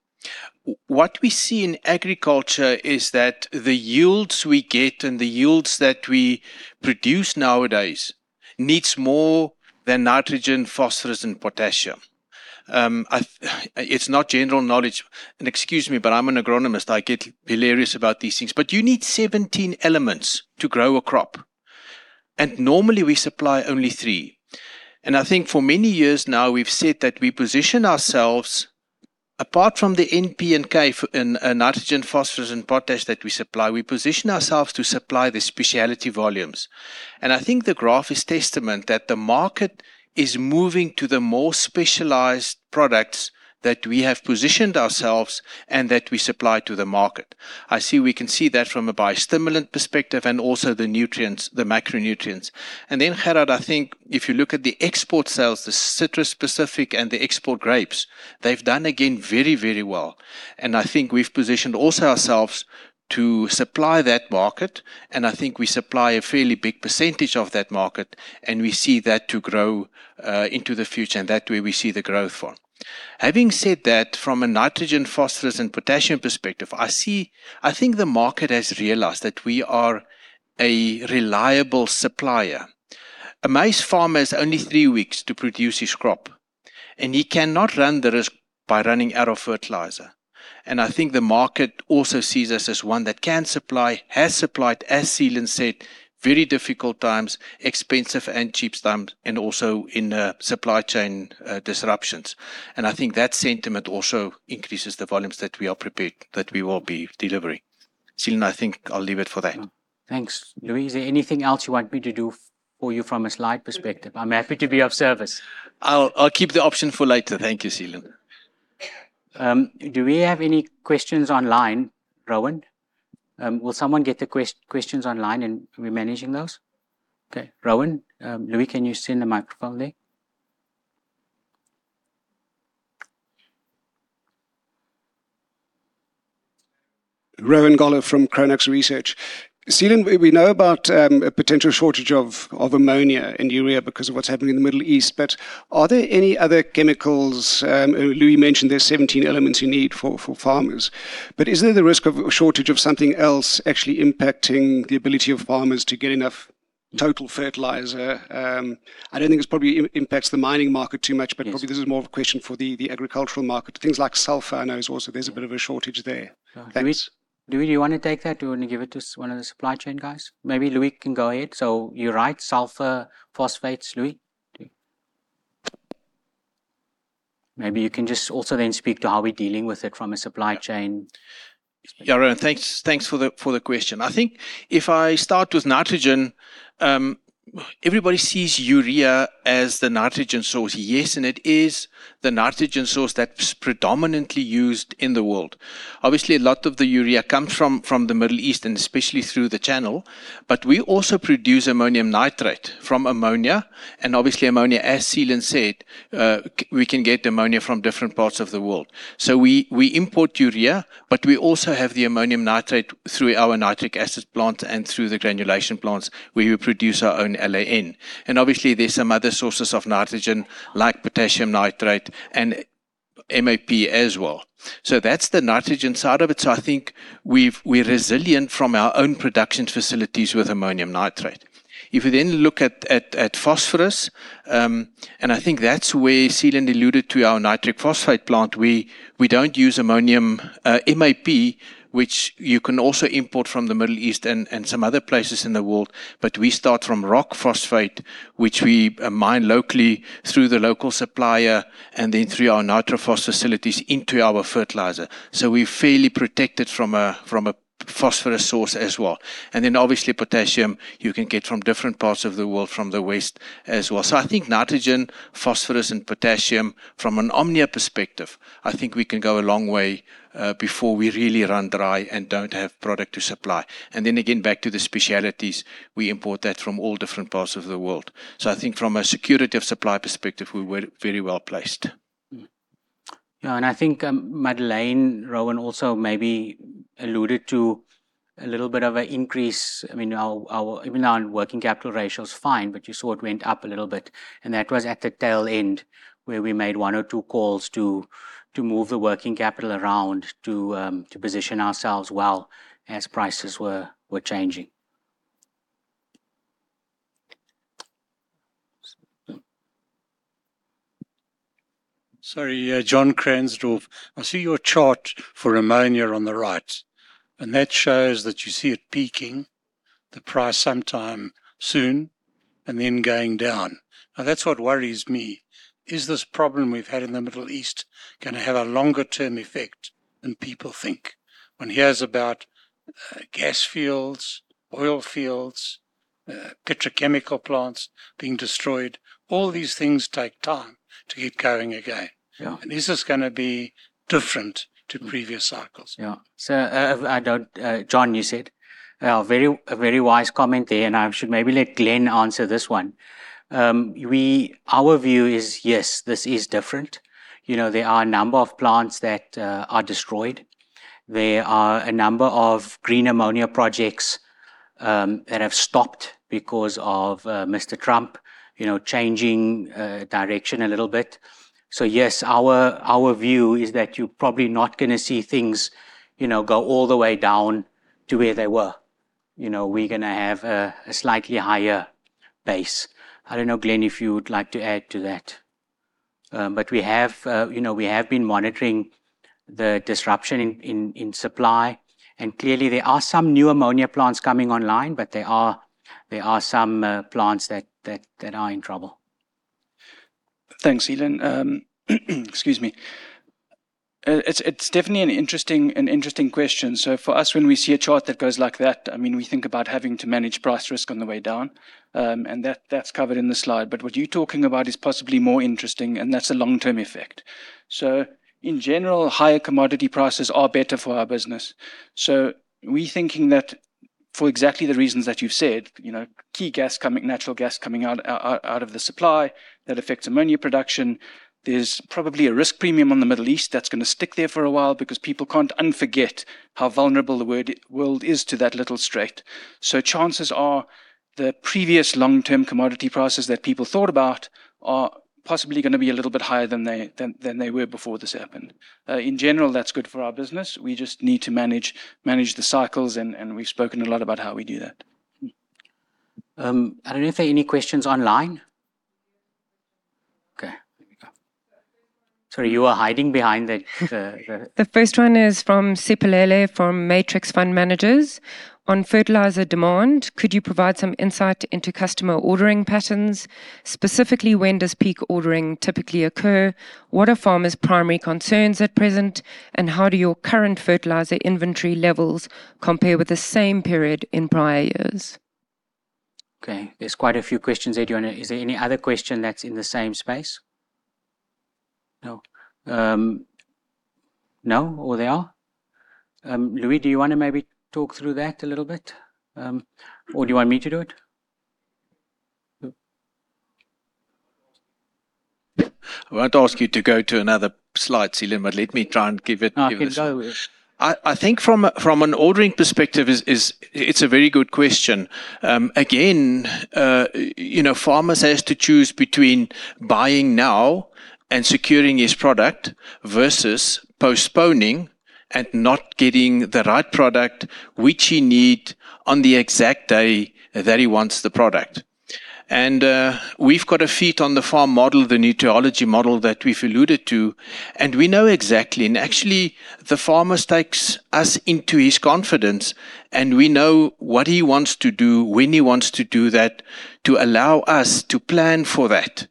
What we see in agriculture is that the yields we get and the yields that we produce nowadays needs more than nitrogen, phosphorus, and potassium. It's not general knowledge, and excuse me, but I'm an agronomist. I get hilarious about these things. You need 17 elements to grow a crop, and normally we supply only three. For many years now, we've said that we position ourselves. Apart from the N, P and K, nitrogen, phosphorus and potash that we supply, we position ourselves to supply the specialty volumes. The graph is testament that the market is moving to the more specialized products that we have positioned ourselves and that we supply to the market. I see we can see that from a biostimulant perspective, and also the nutrients, the macronutrients. Then, Gerhard, I think if you look at the export sales, the citrus specific and the export grapes, they've done again very well. I think we've positioned also ourselves to supply that market, and I think we supply a fairly big percentage of that market, and we see that to grow into the future and that way we see the growth for. Having said that, from a nitrogen, phosphorus and potassium perspective, I think the market has realized that we are a reliable supplier. A maize farmer has only three weeks to produce his crop, and he cannot run the risk by running out of fertilizer. I think the market also sees us as one that can supply, has supplied, as Seelan said, very difficult times, expensive and cheap times, and also in supply chain disruptions. I think that sentiment also increases the volumes that we are prepared, that we will be delivering. Seelan, I think I'll leave it for that. Thanks. Louis, is there anything else you want me to do for you from a slide perspective? I'm happy to be of service. I'll keep the option for later. Thank you, Seelan. Do we have any questions online, Rowan? Will someone get the questions online and are we managing those? Okay. Rowan. Louis, can you send the microphone there? Rowan Goeller from Chronux Research. Seelan, we know about a potential shortage of ammonia and urea because of what's happening in the Middle East. Are there any other chemicals? Louis mentioned there's 17 elements you need for farmers. Is there the risk of a shortage of something else actually impacting the ability of farmers to get enough total fertilizer? I don't think this probably impacts the mining market too much. Yes Probably this is more of a question for the agricultural market. Things like sulfur I know is also, there's a bit of a shortage there. Thanks. Louis, do you want to take that? Do you want to give it to one of the supply chain guys? Maybe Louis can go ahead. You're right, sulfur, phosphates. Louis? Maybe you can just also then speak to how we're dealing with it from a supply chain perspective. Rowan, thanks for the question. I think if I start with nitrogen, everybody sees urea as the nitrogen source. Yes, it is the nitrogen source that's predominantly used in the world. Obviously, a lot of the urea comes from the Middle East and especially through the channel. We also produce ammonium nitrate from ammonia, and obviously ammonia, as Seelan said, we can get ammonia from different parts of the world. We import urea, but we also have the ammonium nitrate through our nitric acid plant and through the granulation plants where we produce our own LAN. Obviously there's some other sources of nitrogen like potassium nitrate and MAP as well. That's the nitrogen side of it. I think we're resilient from our own production facilities with ammonium nitrate. If we then look at phosphorus, and I think that's where Seelan alluded to our nitrophosphate plant. We don't use ammonium MAP, which you can also import from the Middle East and some other places in the world. We start from rock phosphate, which we mine locally through the local supplier, and then through our nitro phos facilities into our fertilizer. We're fairly protected from a phosphorus source as well. Then obviously potassium, you can get from different parts of the world, from the West as well. I think nitrogen, phosphorus, and potassium from an Omnia perspective, I think we can go a long way before we really run dry and don't have product to supply. Then again, back to the specialities, we import that from all different parts of the world. I think from a security of supply perspective, we're very well-placed. I think Madeleine, Rowan, also maybe alluded to a little bit of an increase. Even our working capital ratio is fine, you saw it went up a little bit, that was at the tail end where we made one or two calls to move the working capital around to position ourselves well as prices were changing. Sorry. John Kransdorff. I see your chart for ammonia on the right, that shows that you see it peaking the price sometime soon then going down. That's what worries me. Is this problem we've had in the Middle East going to have a longer term effect than people think? One hears about gas fields, oil fields, petrochemical plants being destroyed. All these things take time to get going again. Yeah. Is this going to be different to previous cycles? John, you said. A very wise comment there, I should maybe let Glen answer this one. Our view is, yes, this is different. There are a number of plants that are destroyed. There are a number of green ammonia projects that have stopped because of Mr. Trump changing direction a little bit. Yes, our view is that you're probably not going to see things go all the way down to where they were. We're going to have a slightly higher base. I don't know, Glen, if you would like to add to that. We have been monitoring the disruption in supply, clearly there are some new ammonia plants coming online, there are some plants that are in trouble. Thanks, Seelan. Excuse me. It's definitely an interesting question. For us, when we see a chart that goes like that, we think about having to manage price risk on the way down, and that's covered in the slide. What you're talking about is possibly more interesting, and that's a long-term effect. In general, higher commodity prices are better for our business. We're thinking that for exactly the reasons that you've said, key gas coming, natural gas coming out of the supply, that affects ammonia production. There's probably a risk premium on the Middle East that's going to stick there for a while because people can't unforget how vulnerable the world is to that little strait. Chances are the previous long-term commodity prices that people thought about are possibly going to be a little bit higher than they were before this happened. In general, that's good for our business. We just need to manage the cycles and we've spoken a lot about how we do that. I don't know if there are any questions online. Okay. There we go. Sorry, you were hiding behind the- The first one is from Siphelele from Matrix Fund Managers. On fertilizer demand, could you provide some insight into customer ordering patterns? Specifically, when does peak ordering typically occur? What are farmers' primary concerns at present, and how do your current fertilizer inventory levels compare with the same period in prior years? Okay, there's quite a few questions there. Is there any other question that's in the same space? No. No, or there are? Louis, do you want to maybe talk through that a little bit? Or do you want me to do it? I won't ask you to go to another slide, Seelan. No, can go, yes. I think from an ordering perspective, it's a very good question. Again, farmers has to choose between buying now and securing his product versus postponing and not getting the right product which he need on the exact day that he wants the product. We've got a feet on the farm model, the Nutriology model that we've alluded to. We know exactly, and actually, the farmers takes us into his confidence and we know what he wants to do, when he wants to do that, to allow us to plan for that,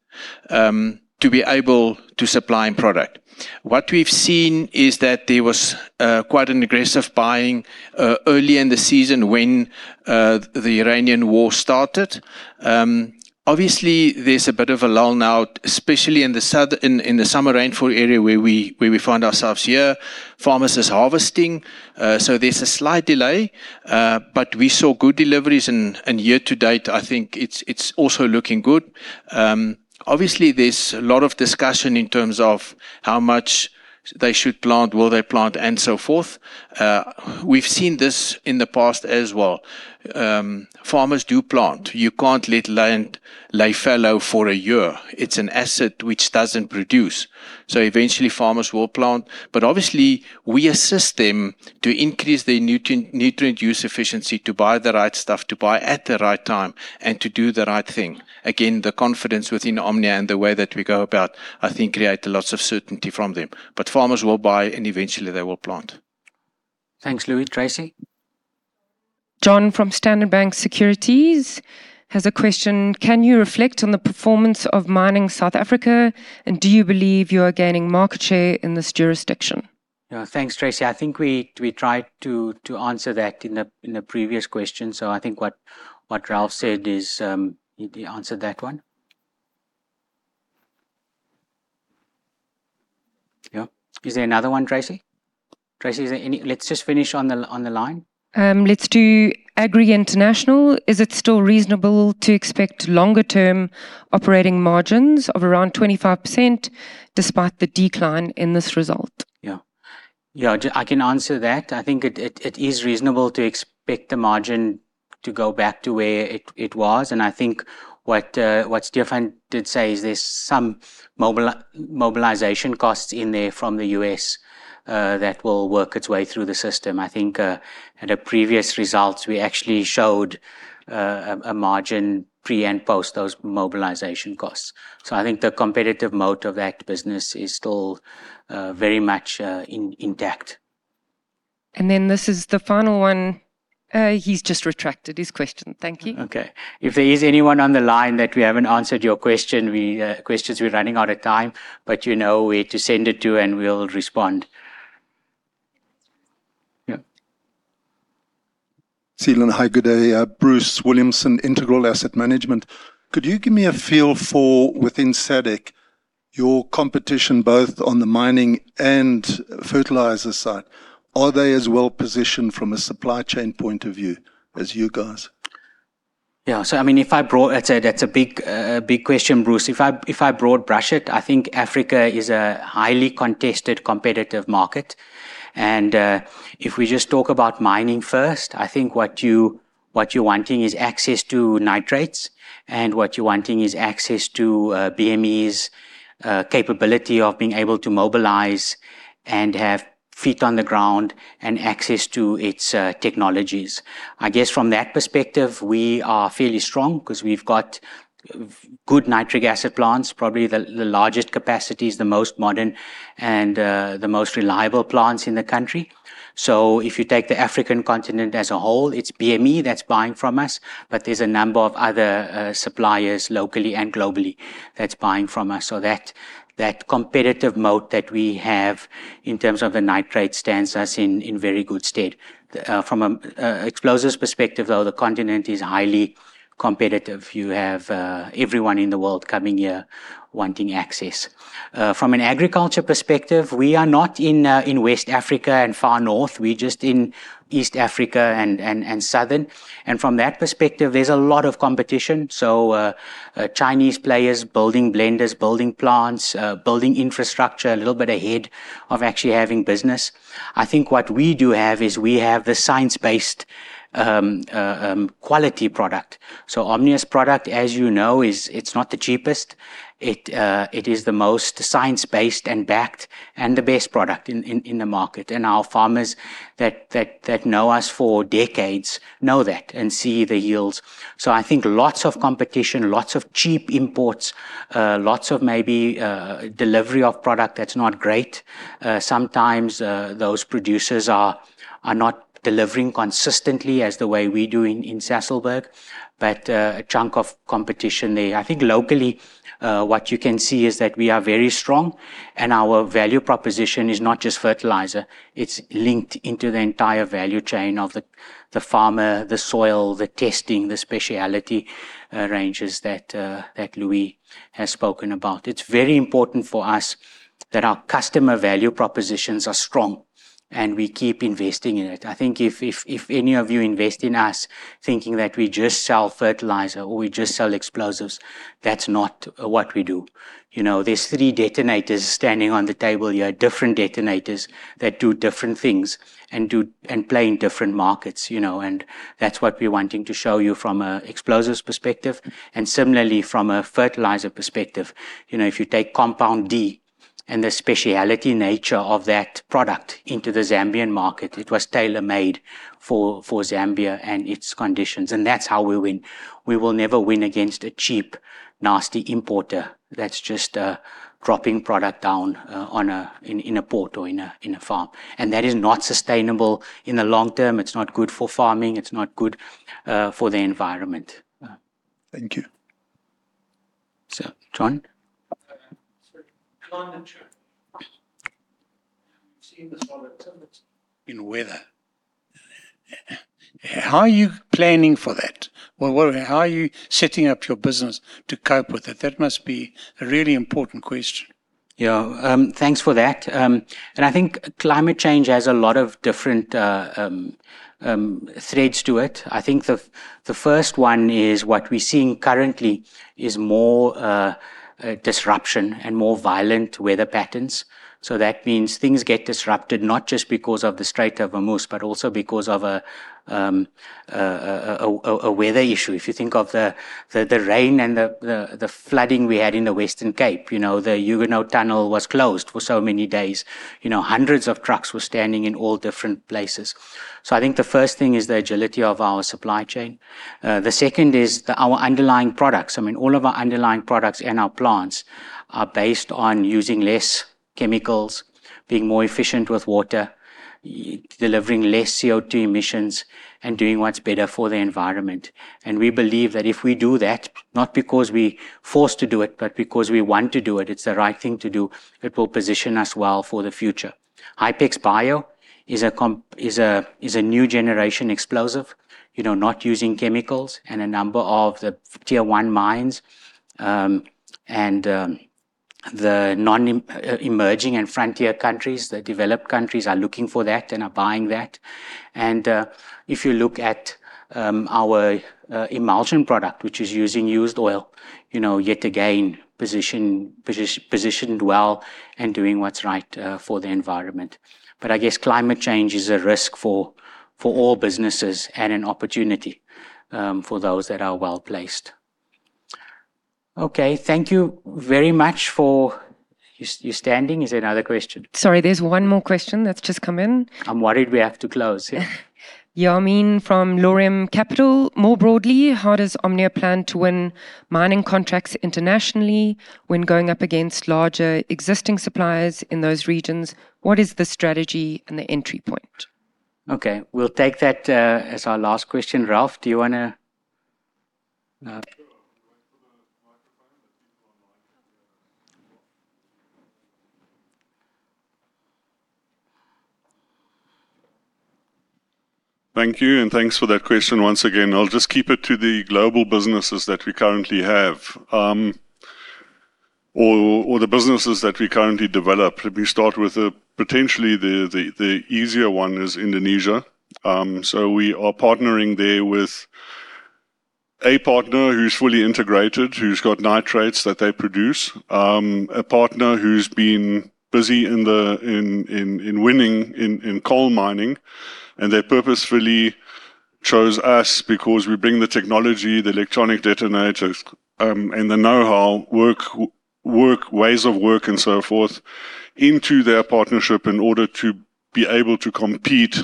to be able to supply him product. What we've seen is that there was quite an aggressive buying early in the season when the Iranian war started. Obviously, there's a bit of a lull now, especially in the summer rainfall area where we find ourselves here. Farmers is harvesting, so there's a slight delay. We saw good deliveries. Year to date, I think it's also looking good. Obviously, there's a lot of discussion in terms of how much they should plant, will they plant, and so forth. We've seen this in the past as well. Farmers do plant. You can't let land lay fallow for a year. It's an asset which doesn't produce. Eventually, farmers will plant. Obviously, we assist them to increase their nutrient use efficiency to buy the right stuff, to buy at the right time, and to do the right thing. Again, the confidence within Omnia and the way that we go about, I think, create lots of certainty from them. Farmers will buy and eventually they will plant. Thanks, Louis. Tracy? John from Standard Bank Securities has a question. Can you reflect on the performance of mining South Africa, and do you believe you are gaining market share in this jurisdiction? Thanks, Tracy. I think we tried to answer that in the previous question. I think what Ralf said is, he answered that one. Is there another one, Tracy? Let's just finish on the line. Let's do Agri International. Is it still reasonable to expect longer-term operating margins of around 25% despite the decline in this result? Yeah. I can answer that. I think it is reasonable to expect the margin to go back to where it was. I think what Stephan did say is there's some mobilization costs in there from the U.S. that will work its way through the system. I think at our previous results, we actually showed a margin pre and post those mobilization costs. I think the competitive mode of that business is still very much intact. This is the final one. He's just retracted his question. Thank you. Okay. If there is anyone on the line that we haven't answered your question, we're running out of time. You know where to send it to and we'll respond. Yeah. Seelan, hi. Good day. Bruce Williamson, Integral Asset Management. Could you give me a feel for within SADC, your competition, both on the mining and fertilizer side. Are they as well positioned from a supply chain point of view as you guys? That's a big question, Bruce. If I broad brush it, I think Africa is a highly contested, competitive market. If we just talk about mining first, I think what you're wanting is access to nitrates and what you're wanting is access to BME's capability of being able to mobilize and have feet on the ground and access to its technologies. I guess from that perspective, we are fairly strong because we've got good nitric acid plants, probably the largest capacities, the most modern and the most reliable plants in the country. If you take the African continent as a whole, it's BME that's buying from us, but there's a number of other suppliers locally and globally that's buying from us. That competitive mode that we have in terms of the nitrate stands us in very good stead. From an explosives perspective, though, the continent is highly competitive. You have everyone in the world coming here wanting access. From an agriculture perspective, we are not in West Africa and far north, we're just in East Africa and southern. From that perspective, there's a lot of competition. Chinese players building blenders, building plants, building infrastructure a little bit ahead of actually having business. I think what we do have is we have the science-based quality product. Omnia's product, as you know, it's not the cheapest, it is the most science-based and backed and the best product in the market. Our farmers that know us for decades know that and see the yields. I think lots of competition, lots of cheap imports, lots of maybe delivery of product that's not great. Sometimes those producers are not delivering consistently as the way we do in Sasolburg, but a chunk of competition there. I think locally, what you can see is that we are very strong and our value proposition is not just fertilizer, it's linked into the entire value chain of the farmer, the soil, the testing, the specialty ranges that Louis has spoken about. It's very important for us that our customer value propositions are strong and we keep investing in it. I think if any of you invest in us thinking that we just sell fertilizer or we just sell explosives, that's not what we do. There's three detonators standing on the table here, different detonators that do different things and play in different markets. That's what we're wanting to show you from an explosives perspective and similarly from a fertilizer perspective. If you take Compound D and the specialty nature of that product into the Zambian market, it was tailor-made for Zambia and its conditions. That's how we win. We will never win against a cheap, nasty importer that's just dropping product down in a port or in a farm. That is not sustainable in the long term. It's not good for farming. It's not good for the environment. Thank you. John. Sir, climate change. We've seen the volatility in weather. How are you planning for that? How are you setting up your business to cope with it? That must be a really important question. Yeah. Thanks for that. I think climate change has a lot of different threads to it. I think the first one is what we're seeing currently is more disruption and more violent weather patterns. That means things get disrupted not just because of the Strait of Hormuz, but also because of a weather issue. If you think of the rain and the flooding we had in the Western Cape, the Huguenot Tunnel was closed for so many days. Hundreds of trucks were standing in all different places. I think the first thing is the agility of our supply chain. The second is our underlying products. All of our underlying products and our plants are based on using less chemicals, being more efficient with water, delivering less CO2 emissions, and doing what's better for the environment. We believe that if we do that, not because we're forced to do it, but because we want to do it's the right thing to do, it will position us well for the future. Hypex Bio is a new generation explosive, not using chemicals and a number of the tier 1 mines, and the non-emerging and frontier countries, the developed countries are looking for that and are buying that. If you look at our emulsion product, which is using used oil, yet again, positioned well and doing what's right for the environment. I guess climate change is a risk for all businesses and an opportunity for those that are well-placed. Okay. Thank you very much for You're standing. Is there another question? Sorry, there's one more question that's just come in. I'm worried we have to close. Yeah. Yaameen from Laurium Capital. More broadly, how does Omnia plan to win mining contracts internationally when going up against larger existing suppliers in those regions? What is the strategy and the entry point? We'll take that as our last question. Ralf, do you want to? Thank you, and thanks for that question once again. I'll just keep it to the global businesses that we currently have or the businesses that we currently develop. Let me start with potentially the easier one is Indonesia. We are partnering there with a partner who's fully integrated, who's got nitrates that they produce. A partner who's been busy in winning in coal mining, and they purposefully chose us because we bring the technology, the electronic detonators, and the know-how, ways of work, and so forth into their partnership in order to be able to compete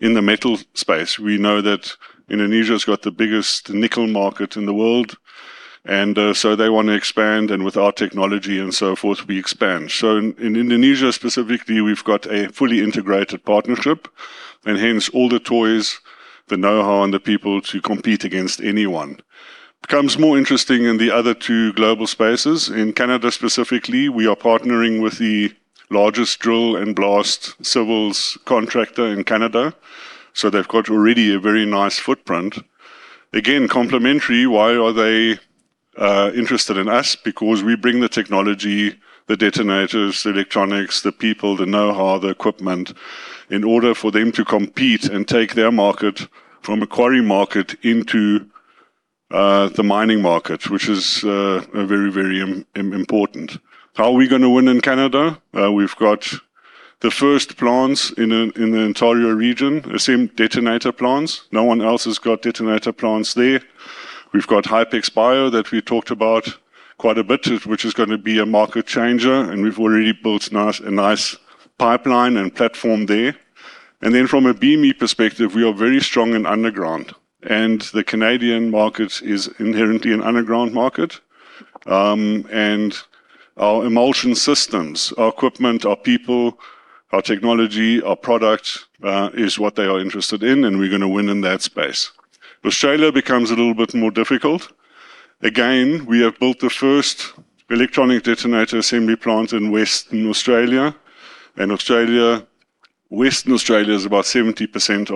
in the metal space. We know that Indonesia's got the biggest nickel market in the world, and they want to expand. With our technology and so forth, we expand. In Indonesia specifically, we've got a fully integrated partnership and hence all the toys, the know-how, and the people to compete against anyone. Becomes more interesting in the other two global spaces. In Canada specifically, we are partnering with the largest drill and blast civils contractor in Canada, they've got already a very nice footprint. Again, complementary. Why are they interested in us? We bring the technology, the detonators, the electronics, the people, the know-how, the equipment in order for them to compete and take their market from a quarry market into the mining market, which is very important. How are we going to win in Canada? We've got the first plants in the Ontario region, assembly detonator plants. No one else has got detonator plants there. We've got Hypex Bio that we talked about quite a bit, which is going to be a market changer, we've already built a nice pipeline and platform there. From a BME perspective, we are very strong in underground, the Canadian market is inherently an underground market. Our emulsion systems, our equipment, our people, our technology, our product is what they are interested in, we're going to win in that space. Australia becomes a little bit more difficult. Again, we have built the first electronic detonator assembly plant in Western Australia. Western Australia is about 70%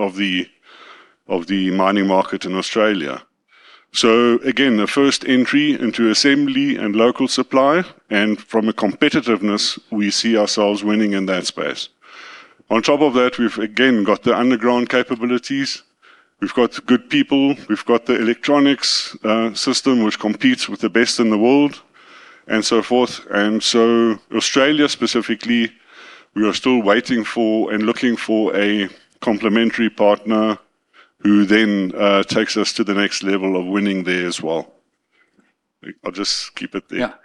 of the mining market in Australia. Again, the first entry into assembly and local supply, from a competitiveness, we see ourselves winning in that space. On top of that, we've again got the underground capabilities. We've got good people, we've got the electronics system, which competes with the best in the world, and so forth. Australia specifically, we are still waiting for and looking for a complementary partner who then takes us to the next level of winning there as well. I'll just keep it there.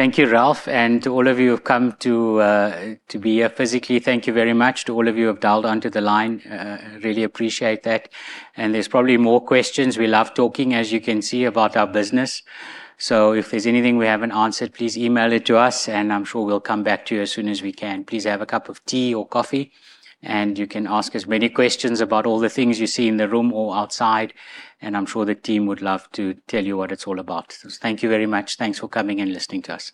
Thank you, Ralf, and to all of you who've come to be here physically, thank you very much. To all of you who've dialed onto the line, really appreciate that. There's probably more questions. We love talking, as you can see, about our business. If there's anything we haven't answered, please email it to us, and I'm sure we'll come back to you as soon as we can. Please have a cup of tea or coffee, and you can ask as many questions about all the things you see in the room or outside, and I'm sure the team would love to tell you what it's all about. Thank you very much. Thanks for coming and listening to us